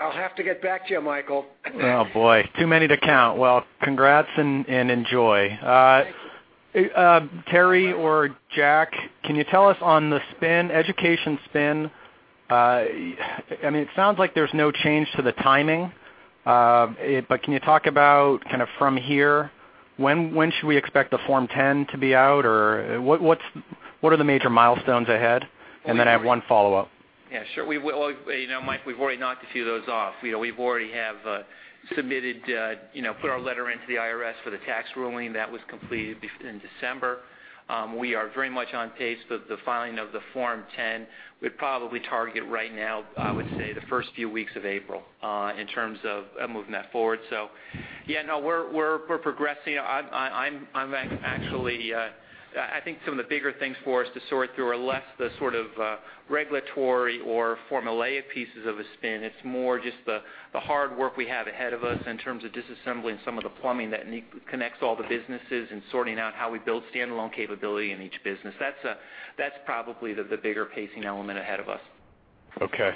I'll have to get back to you, Michael. Oh, boy. Too many to count. Congrats and enjoy. Terry or Jack, can you tell us on the education spin? It sounds like there's no change to the timing, but can you talk about from here, when should we expect the Form 10 to be out, or what are the major milestones ahead? I have one follow-up. Yeah, sure. You know, Mike, we've already knocked a few of those off. We've already submitted, put our letter into the IRS for the tax ruling that was completed in December. We are very much on pace for the filing of the Form 10. We'd probably target right now, I would say, the first few weeks of April in terms of moving that forward. Yeah, we're progressing. I'm actually, I think some of the bigger things for us to sort through are less the sort of regulatory or formulaic pieces of a spin. It's more just the hard work we have ahead of us in terms of disassembling some of the plumbing that connects all the businesses and sorting out how we build standalone capability in each business. That's probably the bigger pacing element ahead of us. Okay.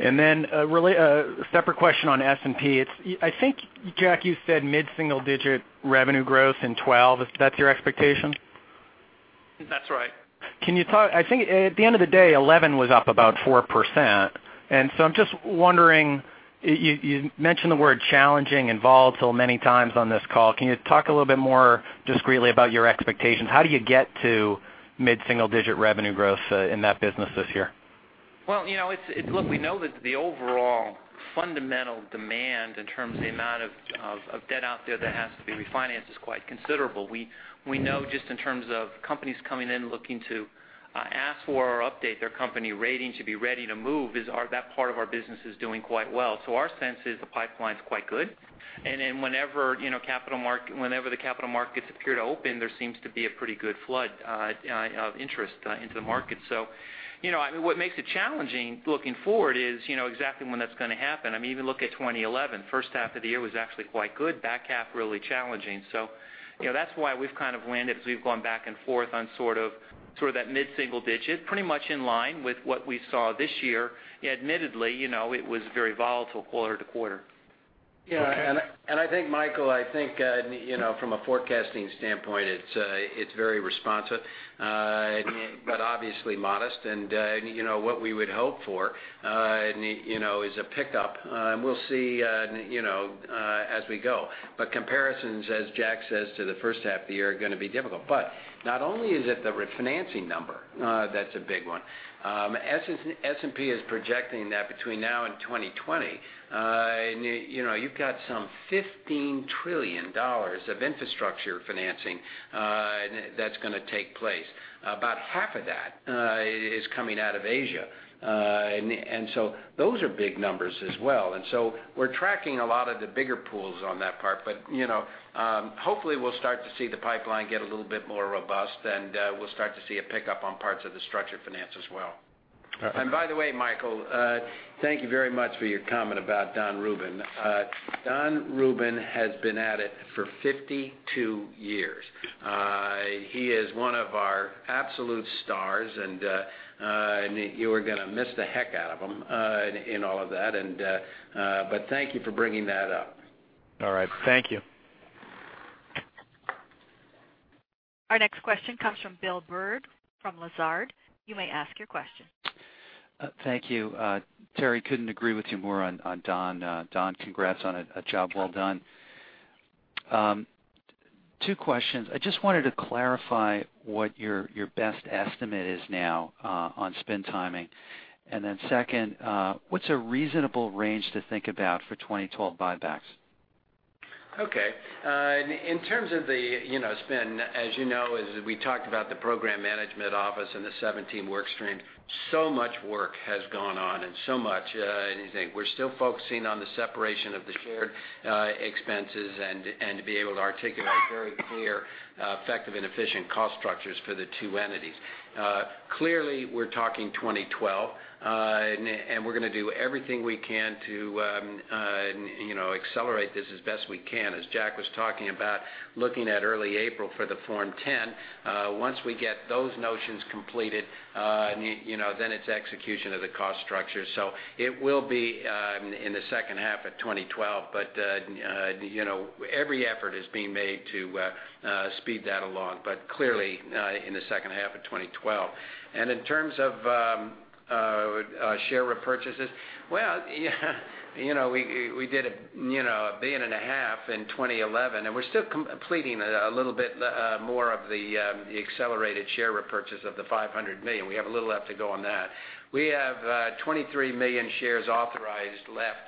A separate question on S&P. I think, Jack, you said mid-single-digit revenue growth in 2012. That's your expectation? That's right. Can you talk? I think at the end of the day, 2011 was up about 4%. I'm just wondering, you mentioned the word challenging and volatile many times on this call. Can you talk a little bit more discreetly about your expectations? How do you get to mid-single-digit revenue growth in that business this year? You know, we know that the overall fundamental demand in terms of the amount of debt out there that has to be refinanced is quite considerable. We know just in terms of companies coming in looking to ask for or update their company rating to be ready to move, that part of our business is doing quite well. Our sense is the pipeline is quite good. Whenever the capital markets appear to open, there seems to be a pretty good flood of interest into the market. What makes it challenging looking forward is exactly when that's going to happen. I mean, even look at 2011, first half of the year was actually quite good, back half really challenging. That's why we've kind of landed as we've gone back and forth on sort of that mid-single digit, pretty much in line with what we saw this year. Admittedly, it was a very volatile quarter to quarter. Yeah. I think, Michael, from a forecasting standpoint, it's very responsive, but obviously modest. What we would hope for is a pickup, and we'll see as we go. Comparisons, as Jack says, to the first half of the year are going to be difficult. Not only is it the refinancing number that's a big one. S&P is projecting that between now and 2020, you've got some $15 trillion of infrastructure financing that's going to take place. About half of that is coming out of Asia, so those are big numbers as well. We're tracking a lot of the bigger pools on that part. Hopefully, we'll start to see the pipeline get a little bit more robust, and we'll start to see a pickup on parts of the structured finance as well. By the way, Michael, thank you very much for your comment about Donald Rubin. Donald Rubin has been at it for 52 years. He is one of our absolute stars, and you are going to miss the heck out of him in all of that. Thank you for bringing that up. All right, thank you. Our next question comes from Bill Bird from Lazard. You may ask your question. Thank you. Terry, couldn't agree with you more on Don. Don, congrats on a job well done. Two questions. I just wanted to clarify what your best estimate is now on spin timing. What's a reasonable range to think about for 2012 buybacks? Okay. In terms of the, you know, spin, as you know, as we talked about the program management office and the 17 workstreams, so much work has gone on and so much. We're still focusing on the separation of the shared expenses and to be able to articulate very clear, effective, and efficient cost structures for the two entities. Clearly, we're talking 2012, and we're going to do everything we can to, you know, accelerate this as best we can. As Jack was talking about, looking at early April for the Form 10, once we get those notions completed, then it's execution of the cost structure. It will be in the second half of 2012. Every effort is being made to speed that along, but clearly in the second half of 2012. In terms of share repurchases, we did $1.5 billion in 2011, and we're still completing a little bit more of the accelerated share repurchase of the $500 million. We have a little left to go on that. We have 23 million shares authorized left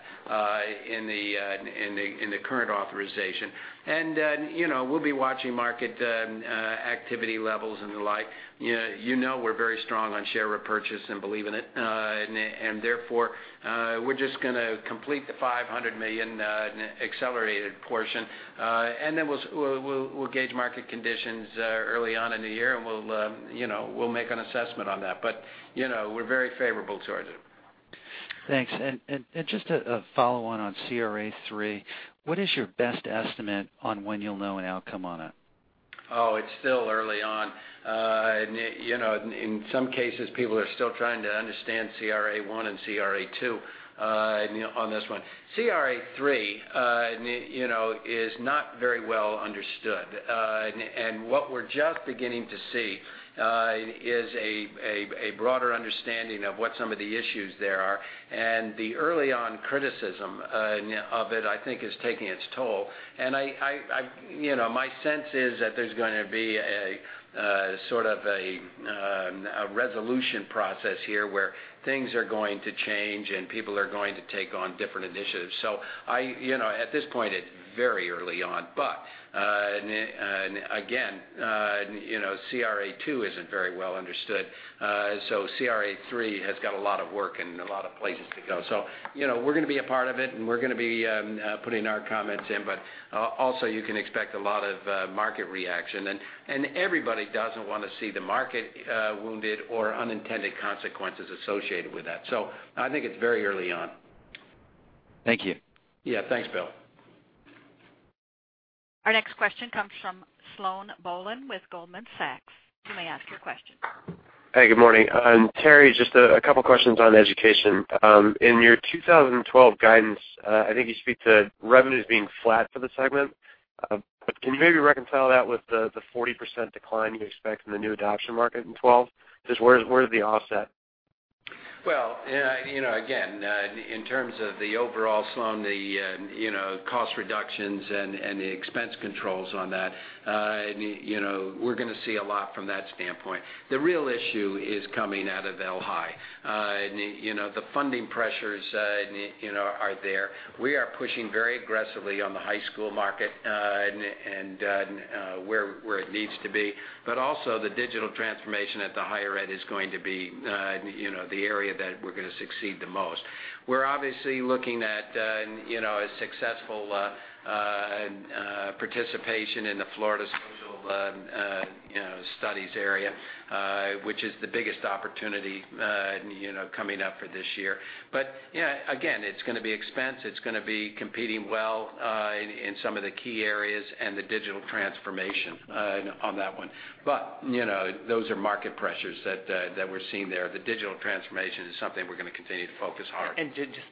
in the current authorization. We'll be watching market activity levels and the like. We're very strong on share repurchase and believe in it. Therefore, we're just going to complete the $500 million accelerated portion. Then we'll gauge market conditions early on in the year, and we'll make an assessment on that. We're very favorable towards it. Thanks. Just a follow-on on CRA 3. What is your best estimate on when you'll know an outcome on it? Oh, it's still early on. In some cases, people are still trying to understand CRA 1 and CRA 2 on this one. CRA 3 is not very well understood. We're just beginning to see a broader understanding of what some of the issues there are. The early-on criticism of it, I think, is taking its toll. My sense is that there's going to be a sort of a resolution process here where things are going to change and people are going to take on different initiatives. At this point, it's very early on. Again, CRA 2 isn't very well understood. CRA 3 has got a lot of work and a lot of places to go. We're going to be a part of it, and we're going to be putting our comments in. Also, you can expect a lot of market reaction. Everybody doesn't want to see the market wounded or unintended consequences associated with that. I think it's very early on. Thank you. Yeah, thanks, Bill. Our next question comes from Sloan Bohlen with Goldman Sachs. You may ask your question. Hey, good morning. Terry, just a couple of questions on education. In your 2012 guidance, I think you speak to revenues being flat for the segment. Can you maybe reconcile that with the 40% decline you expect in the new adoption market in 2012? Just where's the offset? In terms of the overall Sloan, the cost reductions and the expense controls on that, we're going to see a lot from that standpoint. The real issue is coming out of [LHI]. The funding pressures are there. We are pushing very aggressively on the high school market and where it needs to be. Also, the digital transformation at the higher ed is going to be the area that we're going to succeed the most. We're obviously looking at a successful participation in the Florida social studies area, which is the biggest opportunity coming up for this year. It's going to be expensive. It's going to be competing well in some of the key areas and the digital transformation on that one. Those are market pressures that we're seeing there. The digital transformation is something we're going to continue to focus hard.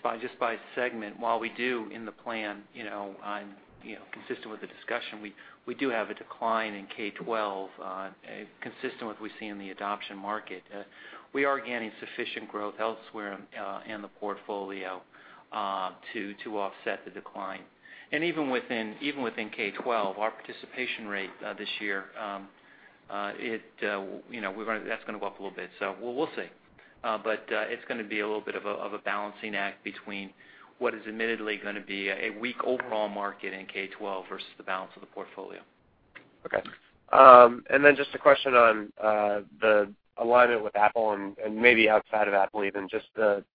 By its segment, while we do in the plan, you know, I'm, you know, consistent with the discussion, we do have a decline in K-12, consistent with what we see in the adoption market. We are gaining sufficient growth elsewhere in the portfolio to offset the decline. Even within K-12, our participation rate this year, you know, that's going to go up a little bit. We'll see. It's going to be a little bit of a balancing act between what is admittedly going to be a weak overall market in K-12 versus the balance of the portfolio. Okay. A question on the alignment with Apple and maybe outside of Apple even.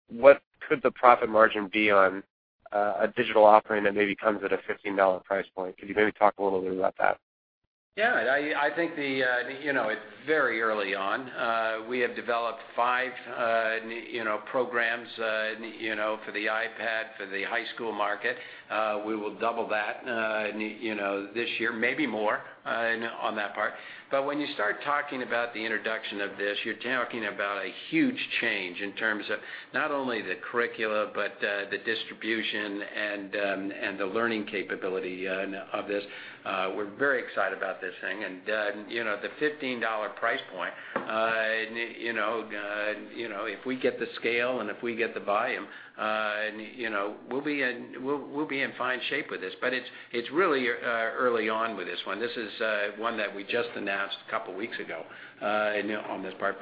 What could the profit margin be on a digital offering that maybe comes at a $15 price point? Could you maybe talk a little bit about that? I think it's very early on. We have developed five programs for the iPad for the high school market. We will double that this year, maybe more on that part. When you start talking about the introduction of this, you're talking about a huge change in terms of not only the curricula, but the distribution and the learning capability of this. We're very excited about this thing. The $15 price point, if we get the scale and if we get the volume, we'll be in fine shape with this. It's really early on with this one. This is one that we just announced a couple of weeks ago on this part.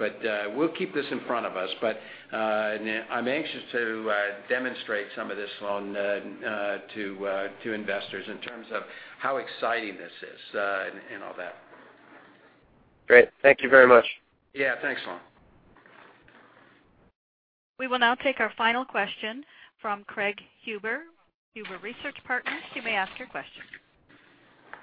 We'll keep this in front of us. I'm anxious to demonstrate some of this to investors in terms of how exciting this is and all that. Great. Thank you very much. Yeah, thanks, Sloan. We will now take our final question from Craig Huber, Huber Research Partners. You may ask your question.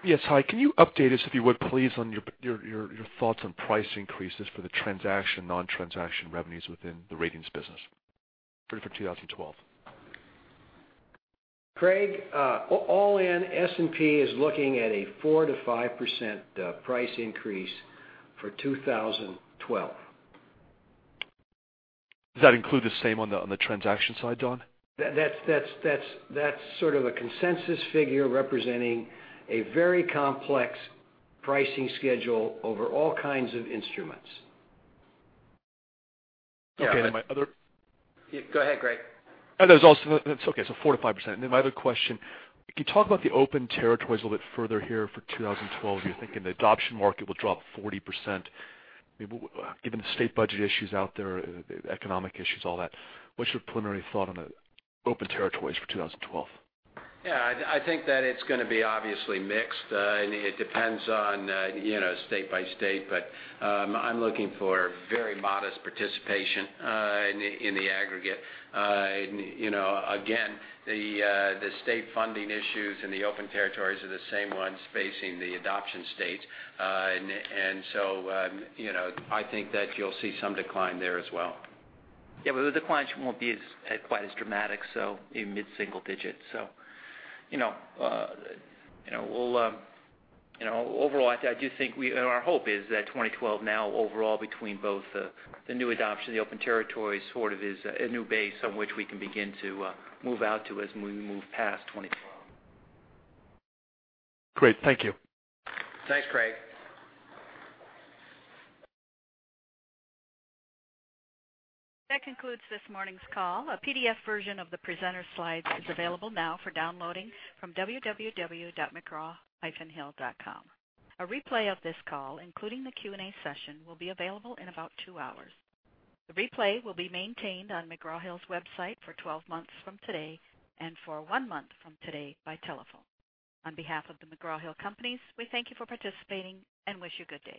Yes. Hi. Can you update us, if you would, please, on your thoughts on price increases for the transaction and non-transaction revenues within the ratings business for 2012. Craig, all in, S&P is looking at a 4%-5% price increase for 2012. Does that include the same on the transaction side, Don? That's sort of a consensus figure, representing a very complex pricing schedule over all kinds of instruments. Okay, my other... Go ahead, Craig. That's okay. 4%-5%. My other question, can you talk about the open territories a little bit further here for 2012? You're thinking the adoption market will drop 40%. I mean, even the state budget issues out there, the economic issues, all that. What's your preliminary thought on the open territories for 2012? Yeah, I think that it's going to be obviously mixed. It depends on, you know, state by state, but I'm looking for very modest participation in the aggregate. Again, the state funding issues in the open territories are the same ones facing the adoption states, and I think that you'll see some decline there as well. The declines won't be quite as dramatic, so mid-single digits. Overall, I do think our hope is that 2012, overall, between both the new adoption and the open territories, is a new base on which we can begin to move out to as we move past 2012. Great. Thank you. Thanks, Craig. That concludes this morning's call. A PDF version of the presenter slides is available now for downloading from www.spglobal.com. A replay of this call, including the Q&A session, will be available in about two hours. The replay will be maintained on McGraw Hill's website for 12 months from today and for one month from today by telephone. On behalf of McGraw Hill Companies, we thank you for participating and wish you good day.